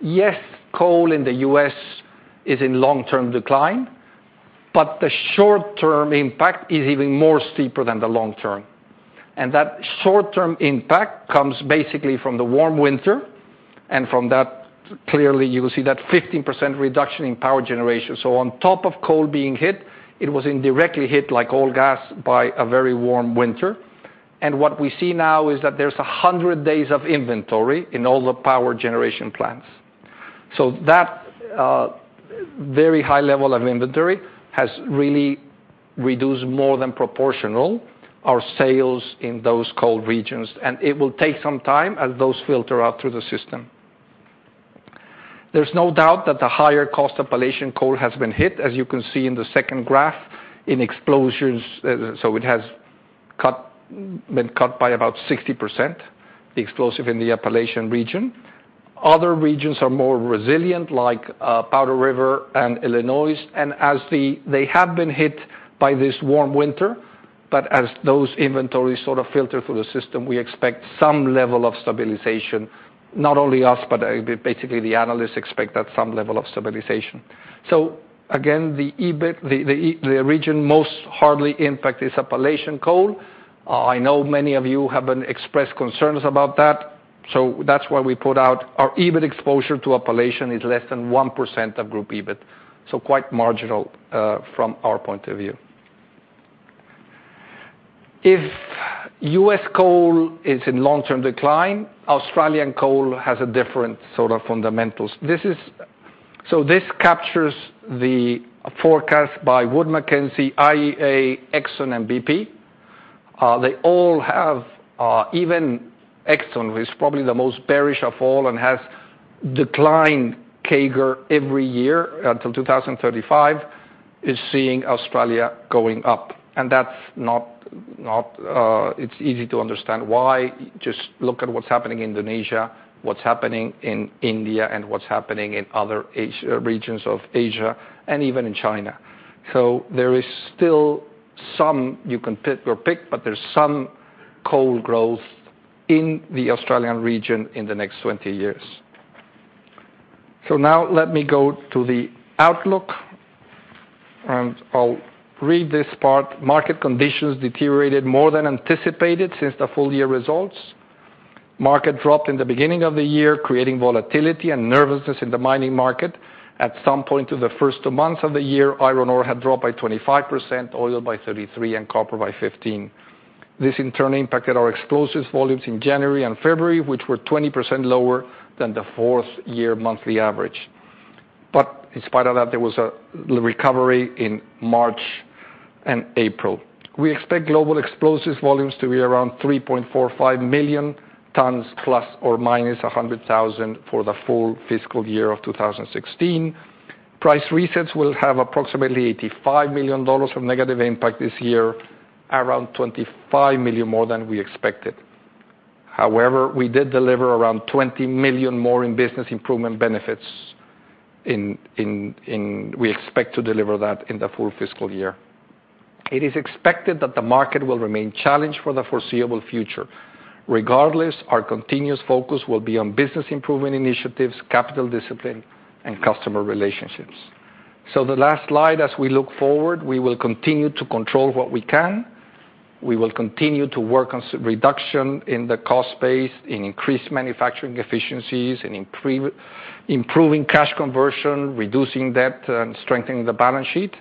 yes, coal in the U.S. is in long-term decline, but the short-term impact is even more steeper than the long term. That short-term impact comes basically from the warm winter. From that, clearly, you will see that 15% reduction in power generation. On top of coal being hit, it was indirectly hit like all gas by a very warm winter. What we see now is that there's 100 days of inventory in all the power generation plants. That very high level of inventory has really reduced more than proportional our sales in those coal regions. It will take some time as those filter out through the system. There's no doubt that the higher cost Appalachian coal has been hit, as you can see in the second graph, in explosives. It has been cut by about 60%, the explosive in the Appalachian region. Other regions are more resilient, like Powder River and Illinois, and they have been hit by this warm winter. As those inventories sort of filter through the system, we expect some level of stabilization. Not only us, but basically the analysts expect that some level of stabilization. Again, the region most hardly impacted is Appalachian coal. I know many of you have expressed concerns about that, so that's why we put out our EBIT exposure to Appalachian is less than 1% of group EBIT. Quite marginal from our point of view. If U.S. coal is in long-term decline, Australian coal has a different sort of fundamentals. This captures the forecast by Wood Mackenzie, IEA, Exxon, and BP. They all have, even Exxon, who is probably the most bearish of all and has declined CAGR every year until 2035, is seeing Australia going up. It's easy to understand why. Just look at what's happening in Indonesia, what's happening in India, and what's happening in other regions of Asia, and even in China. There is still some, you can pick your pick, but there's some coal growth in the Australian region in the next 20 years. Now let me go to the outlook, and I'll read this part. Market conditions deteriorated more than anticipated since the full year results. Market dropped in the beginning of the year, creating volatility and nervousness in the mining market. At some point through the first two months of the year, iron ore had dropped by 25%, oil by 33%, and copper by 15%. This in turn impacted our explosives volumes in January and February, which were 20% lower than the fourth year monthly average. In spite of that, there was a recovery in March and April. We expect global explosives volumes to be around 3.45 million tons, ±100,000 for the full fiscal year of 2016. Price resets will have approximately 85 million dollars of negative impact this year, around 25 million more than we expected. However, we did deliver around 20 million more in business improvement benefits, and we expect to deliver that in the full fiscal year. It is expected that the market will remain challenged for the foreseeable future. Regardless, our continuous focus will be on business improvement initiatives, capital discipline, and customer relationships. The last slide, as we look forward, we will continue to control what we can. We will continue to work on reduction in the cost base, in increased manufacturing efficiencies, in improving cash conversion, reducing debt, and strengthening the balance sheet.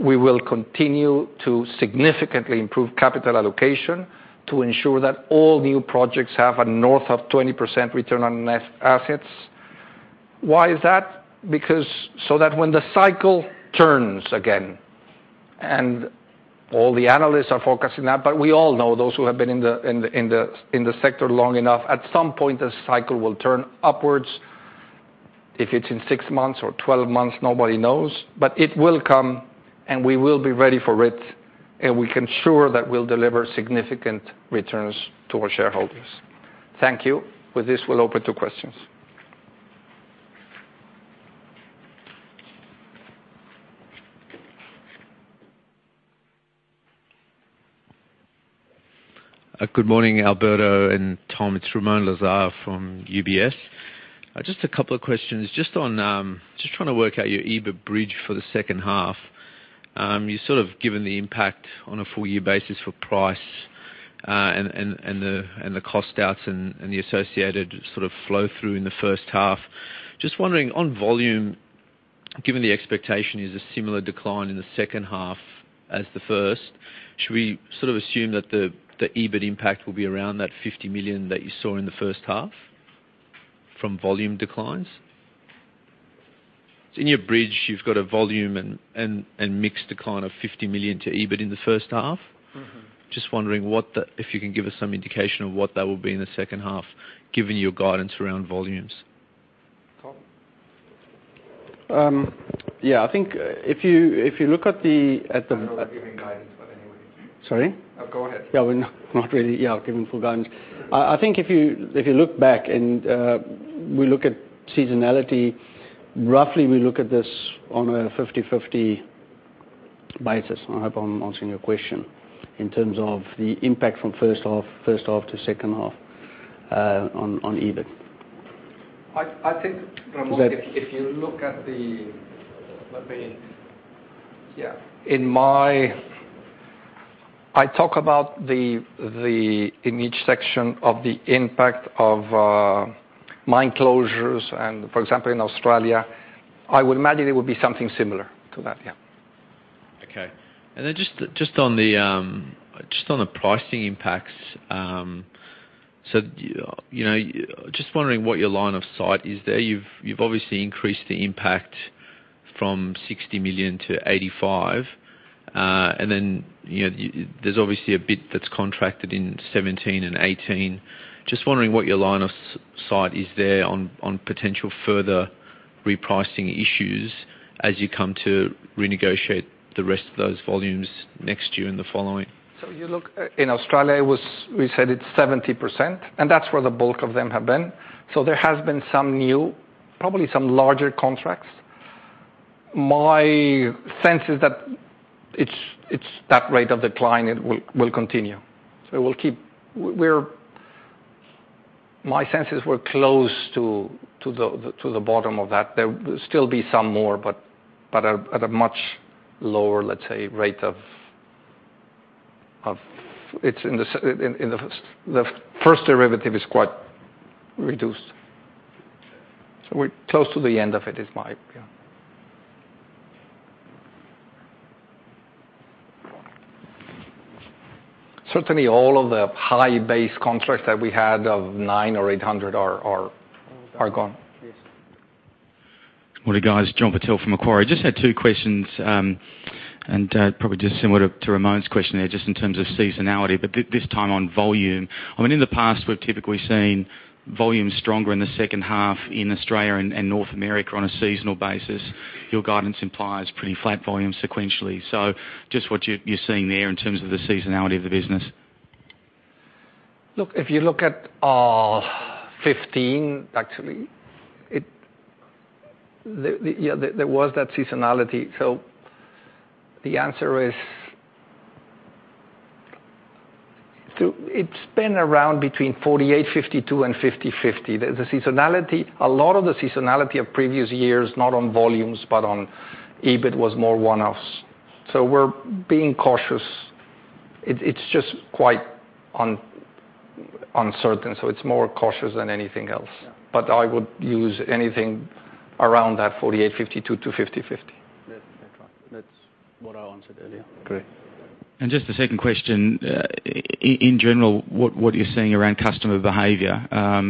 We will continue to significantly improve capital allocation to ensure that all new projects have a north of 20% return on assets. Why is that? Because so that when the cycle turns again, and all the analysts are focusing that, but we all know those who have been in the sector long enough, at some point, the cycle will turn upwards. If it's in 6 months or 12 months, nobody knows, but it will come, and we will be ready for it, and we can ensure that we'll deliver significant returns to our shareholders. Thank you. With this, we'll open to questions. Good morning, Alberto and Tom. It's Ramoun Lazar from UBS. Just a couple of questions. Just trying to work out your EBIT bridge for the second half. You sort of given the impact on a full year basis for price, and the cost outs and the associated sort of flow-through in the first half. Just wondering on volume, given the expectation is a similar decline in the second half as the first, should we sort of assume that the EBIT impact will be around that 50 million that you saw in the first half from volume declines? In your bridge, you've got a volume and mix decline of 50 million to EBIT in the first half. Just wondering if you can give us some indication of what that will be in the second half, given your guidance around volumes. Tom? I think if you look at the- Anyway. Sorry? Go ahead. We're not really giving full guidance. I think if you look back and we look at seasonality, roughly we look at this on a 50/50 basis. I hope I'm answering your question in terms of the impact from first half to second half on EBIT. I think, Ramoun. Is that- Let me, yeah. I talk about in each section of the impact of mine closures and, for example, in Australia, I would imagine it would be something similar to that, yeah. Okay. Then just on the pricing impacts, just wondering what your line of sight is there. You've obviously increased the impact from 60 million to 85 million. Then there's obviously a bit that's contracted in 2017 and 2018. Just wondering what your line of sight is there on potential further repricing issues as you come to renegotiate the rest of those volumes next year and the following. You look, in Australia, we said it's 70%, and that's where the bulk of them have been. There has been some new, probably some larger contracts. My sense is that it's that rate of decline will continue. My senses were close to the bottom of that. There will still be some more, but at a much lower, let's say. The first derivative is quite reduced. We're close to the end of it, is my opinion. Certainly all of the high base contracts that we had of 900 or 800 are gone. Yes. What are guys, John Purtell from Macquarie. Just had two questions, and probably just similar to Ramoun's question there, just in terms of seasonality, but this time on volume. In the past, we've typically seen volume stronger in the second half in Australia and North America on a seasonal basis. Your guidance implies pretty flat volume sequentially. Just what you're seeing there in terms of the seasonality of the business. Look, if you look at 2015, actually, there was that seasonality. The answer is it's been around between 48/52 and 50/50. A lot of the seasonality of previous years, not on volumes, but on EBIT was more one-offs. We're being cautious. It's just quite uncertain, it's more cautious than anything else. Yeah. I would use anything around that 48/52 to 50/50. Yeah, that's right. That's what I answered earlier. Great. Just a second question, in general, what are you seeing around customer behavior?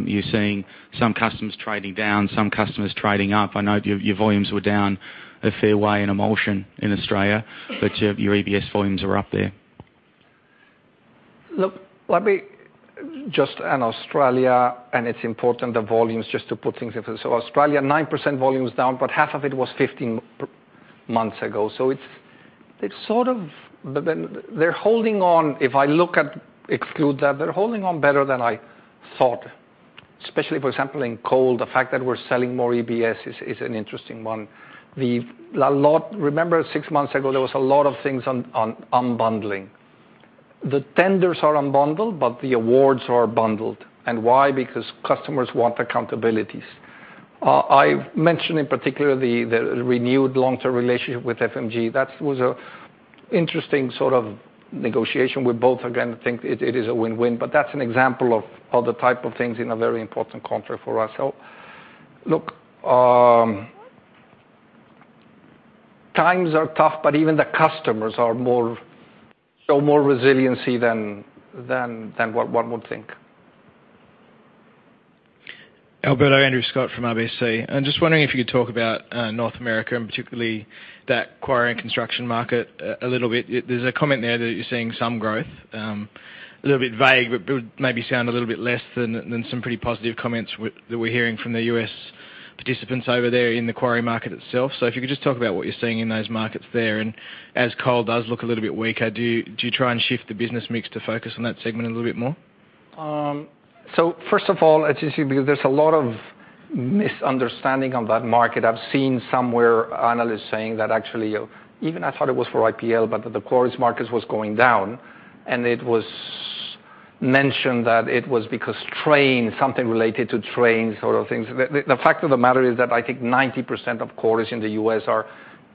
You're seeing some customers trading down, some customers trading up. I know your volumes were down a fair way in emulsion in Australia, but your EBS volumes are up there. Look, just in Australia, it's important, the volumes, just to put things in perspective. Australia, 9% volume is down, but half of it was 15 months ago. It's sort of, they're holding on. If I look at exclude that, they're holding on better than I thought, especially, for example, in coal, the fact that we're selling more EBS is an interesting one. Remember six months ago, there was a lot of things on unbundling. The tenders are unbundled, but the awards are bundled. Why? Because customers want accountabilities. I've mentioned in particular the renewed long-term relationship with FMG. That was an interesting sort of negotiation. We both, again, think it is a win-win, but that's an example of the type of things in a very important contract for us. Look, times are tough, but even the customers show more resiliency than what one would think. Alberto, Andrew Scott from RBC, just wondering if you could talk about North America and particularly that quarry and construction market a little bit. There's a comment there that you're seeing some growth. A little bit vague, but maybe sound a little bit less than some pretty positive comments that we're hearing from the U.S. participants over there in the quarry market itself. If you could just talk about what you're seeing in those markets there, and as coal does look a little bit weaker, do you try and shift the business mix to focus on that segment a little bit more? First of all, as you see, because there's a lot of misunderstanding on that market. I've seen somewhere analysts saying that actually, even I thought it was for IPL, but that the quarries markets was going down, and it was mentioned that it was because train, something related to train sort of things. The fact of the matter is that I think 90% of quarries in the U.S. are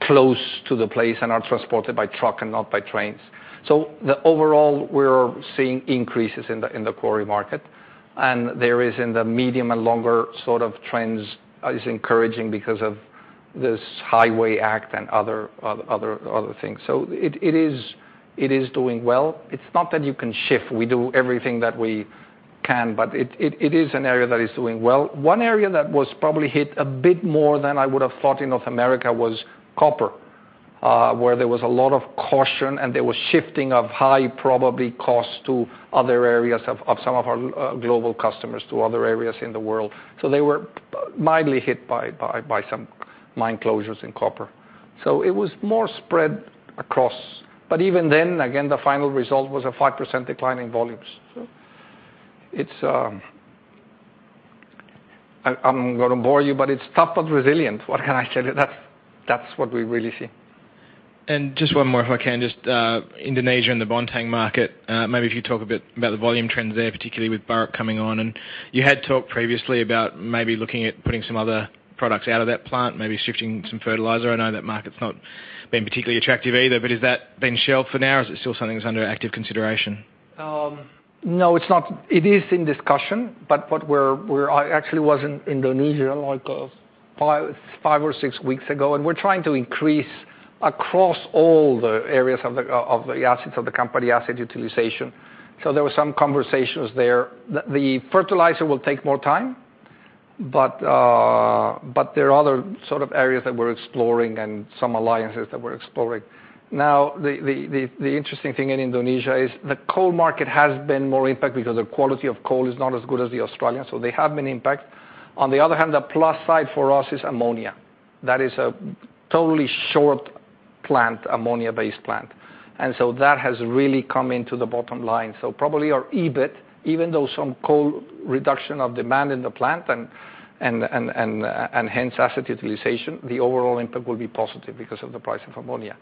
close to the place and are transported by truck and not by trains. The overall, we're seeing increases in the quarry market, and there is in the medium and longer sort of trends is encouraging because of this Highway Act and other things. It is doing well. It's not that you can shift. We do everything that we can, but it is an area that is doing well. One area that was probably hit a bit more than I would have thought in North America was copper, where there was a lot of caution and there was shifting of high probably cost to other areas of some of our global customers to other areas in the world. They were mildly hit by some mine closures in copper. It was more spread across. But even then, again, the final result was a 5% decline in volumes. I'm going to bore you, but it's tough but resilient. What can I say? That's what we really see. Just one more, if I can, just Indonesia and the Bontang market, maybe if you talk a bit about the volume trends there, particularly with Barrick coming on. You had talked previously about maybe looking at putting some other products out of that plant, maybe shifting some fertilizer. I know that market's not been particularly attractive either, but has that been shelved for now, or is it still something that's under active consideration? No, it's not. It is in discussion. I actually was in Indonesia, like five or six weeks ago, and we're trying to increase across all the areas of the company asset utilization. There were some conversations there. The fertilizer will take more time, but there are other sort of areas that we're exploring and some alliances that we're exploring. The interesting thing in Indonesia is the coal market has been more impacted because the quality of coal is not as good as the Australians, so they have been impacted. On the other hand, the plus side for us is ammonia. That is a totally short ammonia-based plant. That has really come into the bottom line. Probably our EBIT, even though some coal reduction of demand in the plant and hence asset utilization, the overall impact will be positive because of the price of ammonia.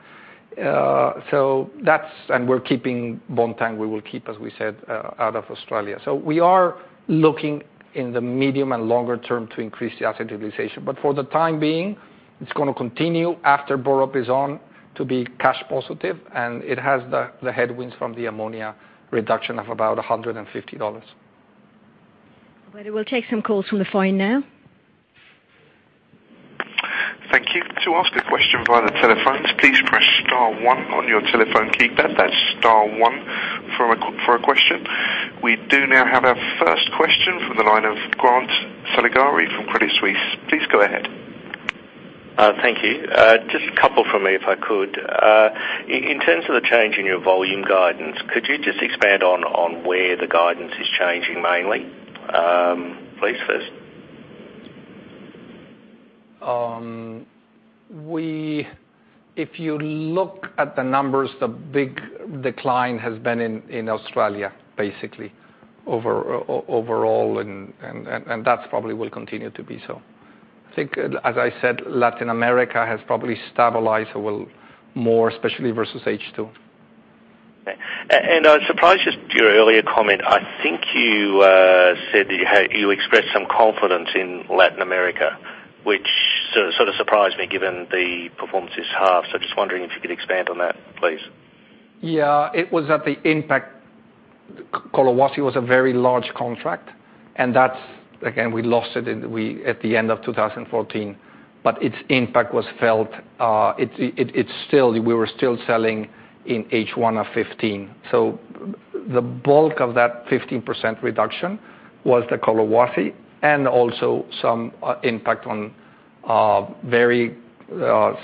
Bontang we will keep, as we said, out of Australia. We are looking in the medium and longer term to increase the asset utilization. For the time being, it's going to continue after Burrup is on to be cash positive, and it has the headwinds from the ammonia reduction of about 150 dollars. We will take some calls from the phone now. Thank you. To ask a question via the telephones, please press star one on your telephone keypad. That's star one for a question. We do now have our first question from the line of Grant Saligari from Credit Suisse. Please go ahead. Thank you. Just a couple from me, if I could. In terms of the change in your volume guidance, could you just expand on where the guidance is changing mainly, please, first? If you look at the numbers, the big decline has been in Australia, basically overall, and that probably will continue to be so. I think, as I said, Latin America has probably stabilized or will more especially versus H2. Okay. I was surprised just your earlier comment, I think you said that you expressed some confidence in Latin America, which sort of surprised me given the performance this half. Just wondering if you could expand on that, please. Yeah, it was that the impact, Collahuasi was a very large contract, and that, again, we lost it at the end of 2014, but its impact was felt we were still selling in H1 of 2015. The bulk of that 15% reduction was the Collahuasi and also some impact on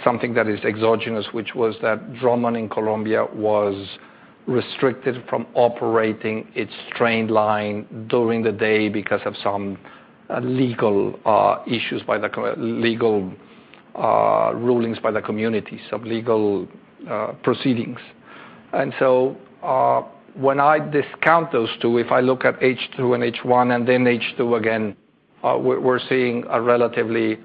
something that is exogenous, which was that Drummond in Colombia was restricted from operating its train line during the day because of some legal rulings by the community, some legal proceedings. When I discount those two, if I look at H2 and H1 and then H2 again, we're seeing a relatively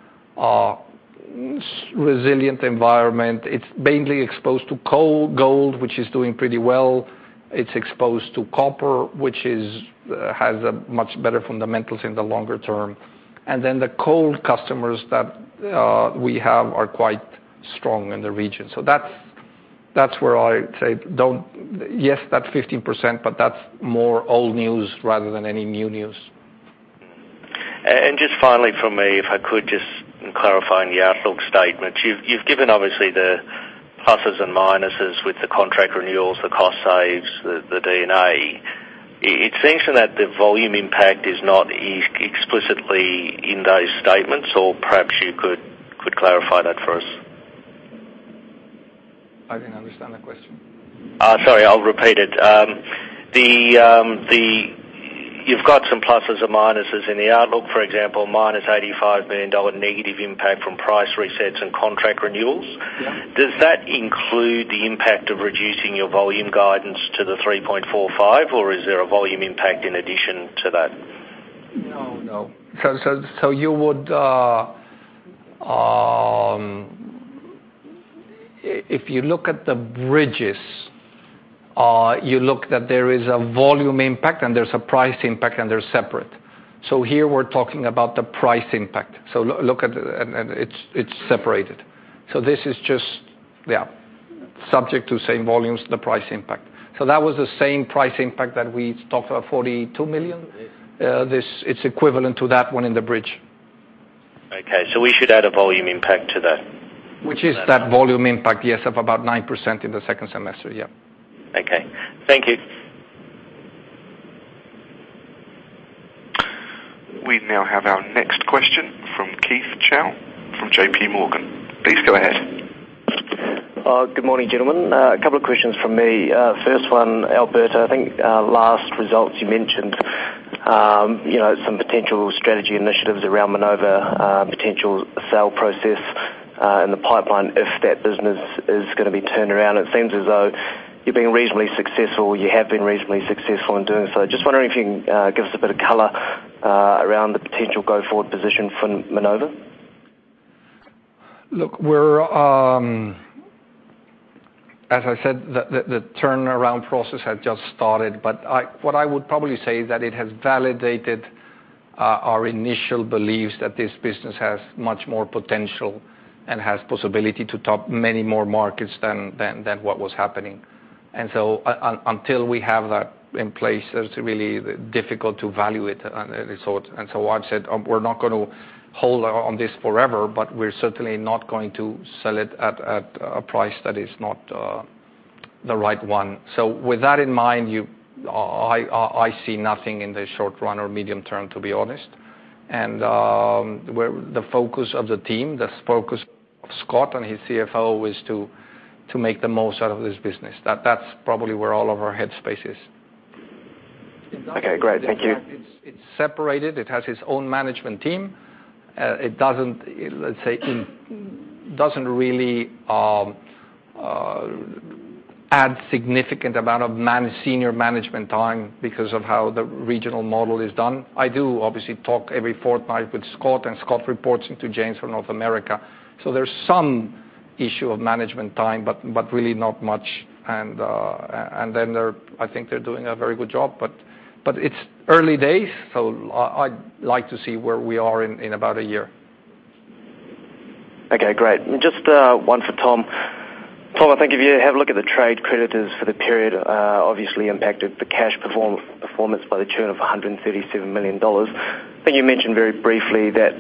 resilient environment. It's mainly exposed to coal, gold, which is doing pretty well. It's exposed to copper, which has a much better fundamentals in the longer term. The coal customers that we have are quite strong in the region. That's where I say, yes, that's 15%, but that's more old news rather than any new news. Just finally from me, if I could just clarify on the outlook statements. You've given obviously the pluses and minuses with the contract renewals, the cost saves, the D&A. It seems that the volume impact is not explicitly in those statements, or perhaps you could clarify that for us. I didn't understand the question. Sorry, I'll repeat it. You've got some pluses or minuses in the outlook, for example, minus 85 million dollar negative impact from price resets and contract renewals. Yeah. Does that include the impact of reducing your volume guidance to the 3.45, or is there a volume impact in addition to that? No, no. If you look at the bridges, you look that there is a volume impact, and there is a price impact, and they are separate. Here we are talking about the price impact. Look at it, and it is separated. This is just subject to same volumes, the price impact. That was the same price impact that we talked about, 42 million. It is equivalent to that one in the bridge. Okay. We should add a volume impact to that. Which is that volume impact, yes, of about 9% in the second semester. Okay. Thank you. We now have our next question from Keith Chow from JP Morgan. Please go ahead. Good morning, gentlemen. A couple of questions from me. First one, Alberto, I think last results you mentioned some potential strategy initiatives around Minova potential sale process in the pipeline if that business is going to be turned around. It seems as though you're being reasonably successful or you have been reasonably successful in doing so. Just wondering if you can give us a bit of color around the potential go-forward position for Minova. Look, as I said, the turnaround process had just started, what I would probably say is that it has validated our initial beliefs that this business has much more potential and has possibility to top many more markets than what was happening. Until we have that in place, it's really difficult to value it. I've said we're not going to hold on this forever, but we're certainly not going to sell it at a price that is not the right one. With that in mind, I see nothing in the short run or medium term, to be honest. The focus of the team, the focus of Scott and his CFO is to make the most out of this business. That's probably where all of our headspace is. Okay, great. Thank you. It's separated. It has its own management team. It doesn't really add significant amount of senior management time because of how the regional model is done. I do obviously talk every fortnight with Scott, and Scott reports into James for North America. There's some issue of management time, but really not much. I think they're doing a very good job. It's early days, so I'd like to see where we are in about a year. Okay, great. Just one for Tom. Tom, I think if you have a look at the trade creditors for the period, obviously impacted the cash performance by the tune of 137 million dollars. You mentioned very briefly that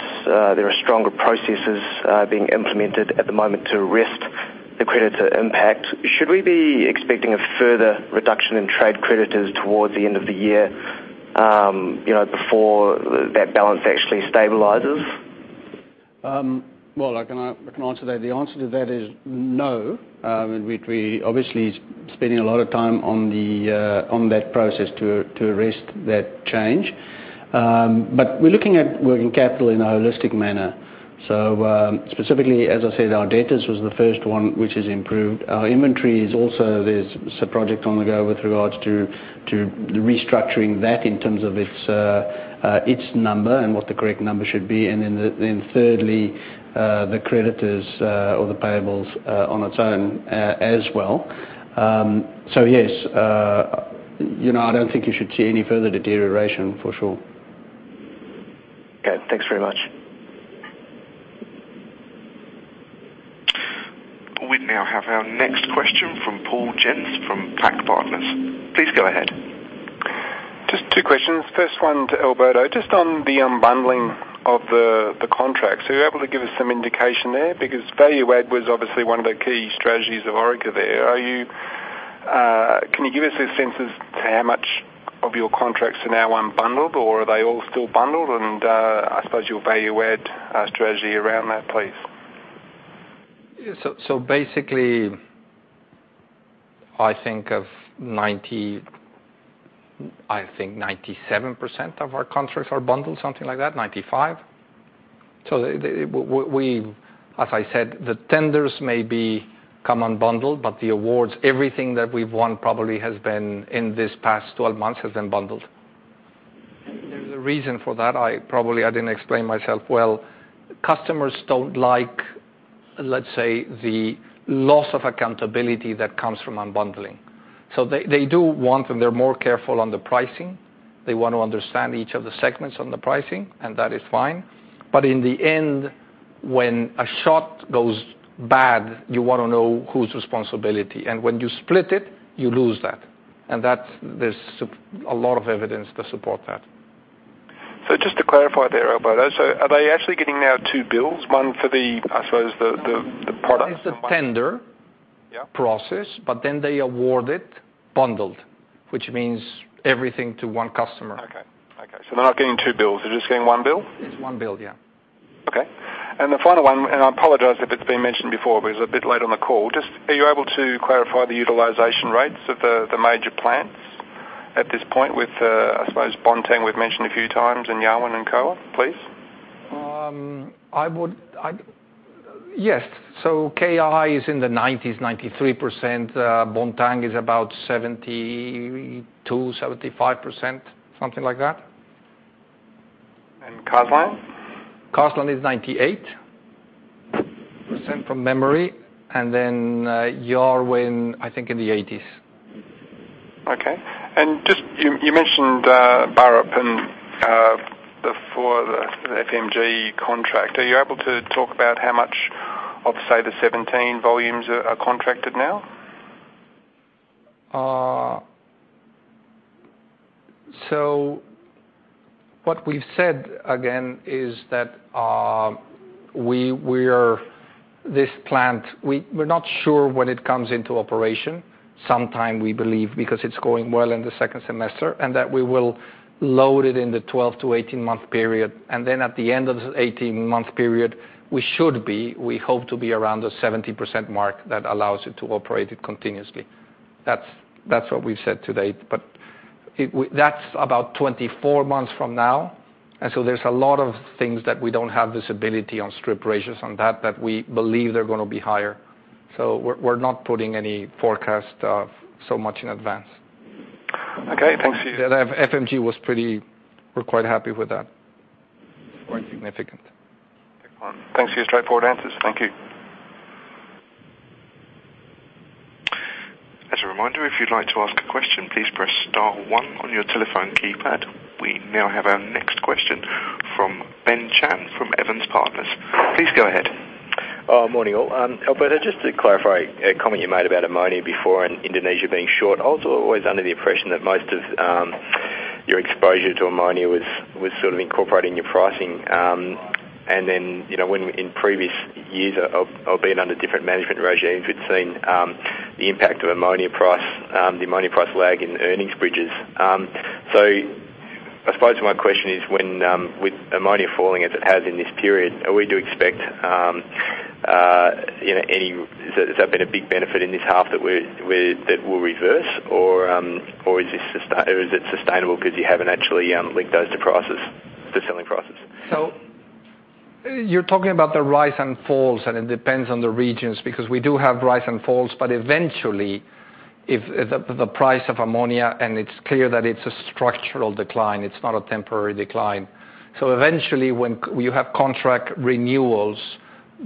there are stronger processes being implemented at the moment to arrest the creditor impact. Should we be expecting a further reduction in trade creditors towards the end of the year before that balance actually stabilizes? Well, I can answer that. The answer to that is no. We obviously spending a lot of time on that process to arrest that change. We're looking at working capital in a holistic manner. Specifically, as I said, our debtors was the first one, which has improved. Our inventory is also, there's some project on the go with regards to restructuring that in terms of its number and what the correct number should be. Thirdly, the creditors or the payables on its own as well. Yes, I don't think you should see any further deterioration for sure. Okay. Thanks very much. We now have our next question from Paul Jens from PAC Partners. Please go ahead. Just two questions. First one to Alberto, just on the unbundling of the contracts. Are you able to give us some indication there? Value add was obviously one of the key strategies of Orica there. Can you give us a sense as to how much of your contracts are now unbundled, or are they all still bundled? I suppose your value add strategy around that, please. Basically, I think 97% of our contracts are bundled, something like that, 95. As I said, the tenders maybe come unbundled, but the awards, everything that we've won probably has been in this past 12 months, has been bundled. There's a reason for that. Probably I didn't explain myself well. Customers don't like, let's say, the loss of accountability that comes from unbundling. They do want, and they're more careful on the pricing. They want to understand each of the segments on the pricing, and that is fine. In the end, when a shot goes bad, you want to know whose responsibility. When you split it, you lose that. There's a lot of evidence to support that. Just to clarify there, Alberto. Are they actually getting now two bills, one for the, I suppose, the product? It's a tender- Yeah process, they award it bundled, which means everything to one customer. Okay. They're not getting two bills. They're just getting one bill? It's one bill. Yeah. Okay. The final one, I apologize if it's been mentioned before, but it's a bit late on the call. Are you able to clarify the utilization rates of the major plants at this point with, I suppose, Bontang we've mentioned a few times and Yarwun and Karratha, please? Yes. KI is in the 90s, 93%. Bontang is about 72%-75%, something like that. Carseland? Carseland is 98%, from memory. Yarwun, I think in the 80s. Okay. Just, you mentioned Burrup before the FMG contract. Are you able to talk about how much of, say, the 17 volumes are contracted now? What we've said again is that this plant, we're not sure when it comes into operation. Sometime, we believe, because it's going well in the second semester, that we will load it in the 12 to 18-month period. At the end of the 18-month period, we should be, we hope to be around the 70% mark that allows it to operate it continuously. That's what we've said to date, that's about 24 months from now. There's a lot of things that we don't have visibility on strip ratios on that we believe they're going to be higher. We're not putting any forecast so much in advance. Okay. Thanks. We're quite happy with that. Quite significant. Thanks for your straightforward answers. Thank you. As a reminder, if you'd like to ask a question, please press star one on your telephone keypad. We now have our next question Ben Chan from Evans & Partners. Please go ahead. Morning all. Alberto, just to clarify a comment you made about ammonia before and Indonesia being short. I was always under the impression that most of your exposure to ammonia was sort of incorporating your pricing. In previous years or being under different management regimes, we'd seen the impact of ammonia price lag in earnings bridges. I suppose my question is, with ammonia falling as it has in this period, are we to expect Has that been a big benefit in this half that will reverse? Or is it sustainable because you haven't actually linked those to selling prices? You're talking about the rise and falls, and it depends on the regions, because we do have rise and falls, but eventually, if the price of ammonia, and it's clear that it's a structural decline, it's not a temporary decline. Eventually, when you have contract renewals,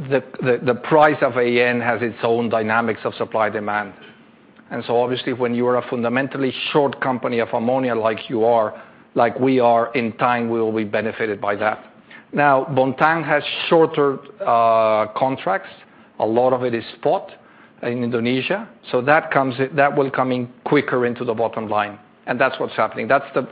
the price of AN has its own dynamics of supply-demand. Obviously, when you are a fundamentally short company of ammonia like you are, like we are, in time, we will be benefited by that. Bontang has shorter contracts. A lot of it is spot in Indonesia. That will come in quicker into the bottom line, and that's what's happening. That's the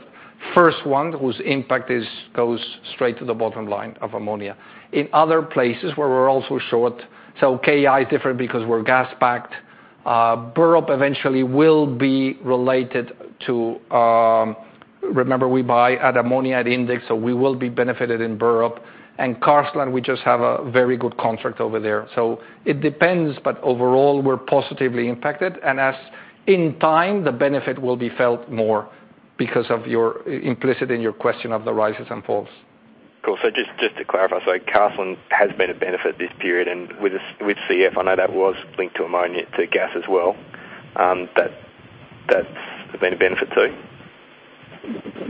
first one whose impact goes straight to the bottom line of ammonia. In other places where we're also short, so KI is different because we're gas backed. Burrup eventually will be related to, remember we buy at ammonia at index, so we will be benefited in Burrup. Carseland, we just have a very good contract over there. It depends, but overall, we're positively impacted, and as in time, the benefit will be felt more because of your implicit in your question of the rises and falls. Cool. Just to clarify, Carseland has been a benefit this period, and with CF, I know that was linked to ammonia, to gas as well, that's been a benefit too?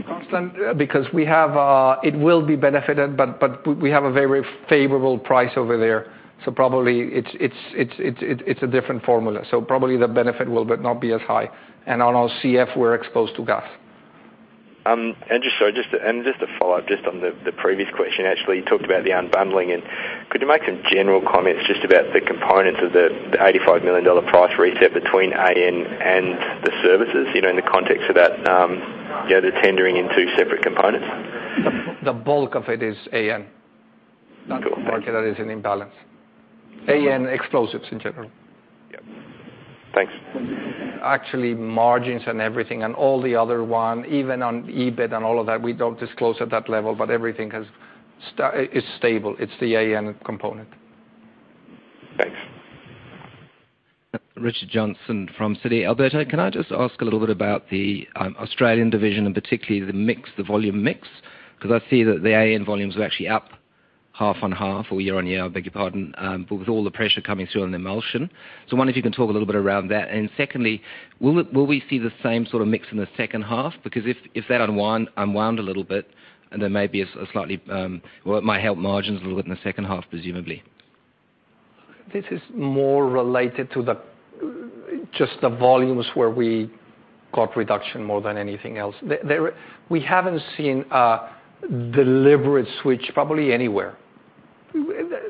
Carseland, because it will be benefited, but we have a very favorable price over there. Probably it's a different formula. Probably the benefit will but not be as high. On our CF, we're exposed to gas. Just to follow up just on the previous question, actually, you talked about the unbundling. Could you make some general comments just about the components of the 85 million dollar price reset between AN and the services, in the context of the tendering in two separate components? The bulk of it is AN. Cool. That is an imbalance. AN explosives in general. Yep. Thanks. Actually, margins and everything, all the other one, even on EBIT and all of that, we don't disclose at that level, but everything is stable. It's the AN component. Thanks. Richard Johnson from Citi. Alberto, can I just ask a little bit about the Australian division and particularly the volume mix, because I see that the AN volumes are actually up half on half or year-on-year, beg your pardon, but with all the pressure coming through on emulsion. I wonder if you can talk a little bit around that. Secondly, will we see the same sort of mix in the second half? If that unwound a little bit, then maybe it might help margins a little bit in the second half, presumably. This is more related to just the volumes where we got reduction more than anything else. We haven't seen a deliberate switch probably anywhere.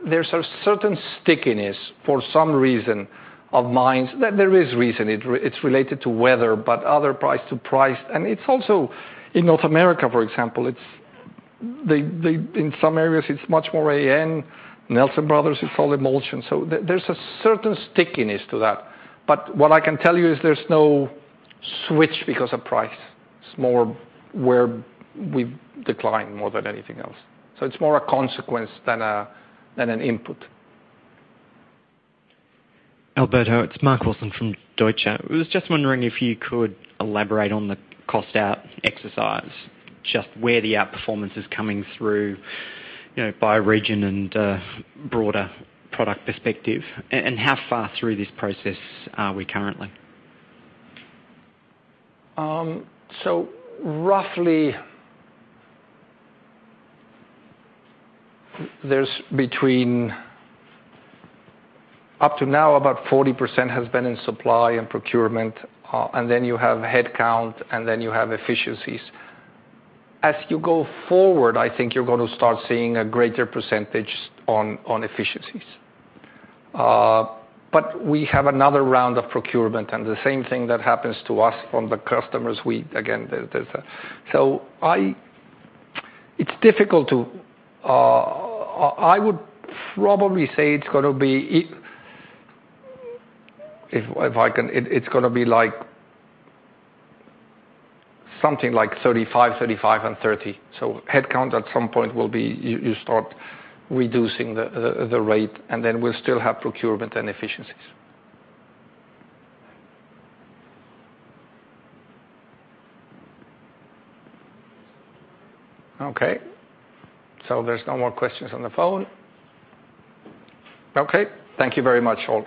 There's a certain stickiness for some reason of mines. There is reason. It's related to weather, but other price to price. It's also in North America, for example. In some areas, it's much more AN. Nelson Brothers is all emulsion. There's a certain stickiness to that. What I can tell you is there's no switch because of price. It's more where we decline more than anything else. It's more a consequence than an input. Alberto, it's Mark Wilson from Deutsche. I was just wondering if you could elaborate on the cost-out exercise, just where the outperformance is coming through by region and broader product perspective, and how far through this process are we currently? Roughly, there's between up to now, about 40% has been in supply and procurement, then you have headcount, then you have efficiencies. As you go forward, I think you're going to start seeing a greater percentage on efficiencies. We have another round of procurement, and the same thing that happens to us from the customers, I would probably say it's going to be something like 35%, 35%, and 30%. Headcount at some point you start reducing the rate, then we'll still have procurement and efficiencies. Okay. There's no more questions on the phone. Okay. Thank you very much all.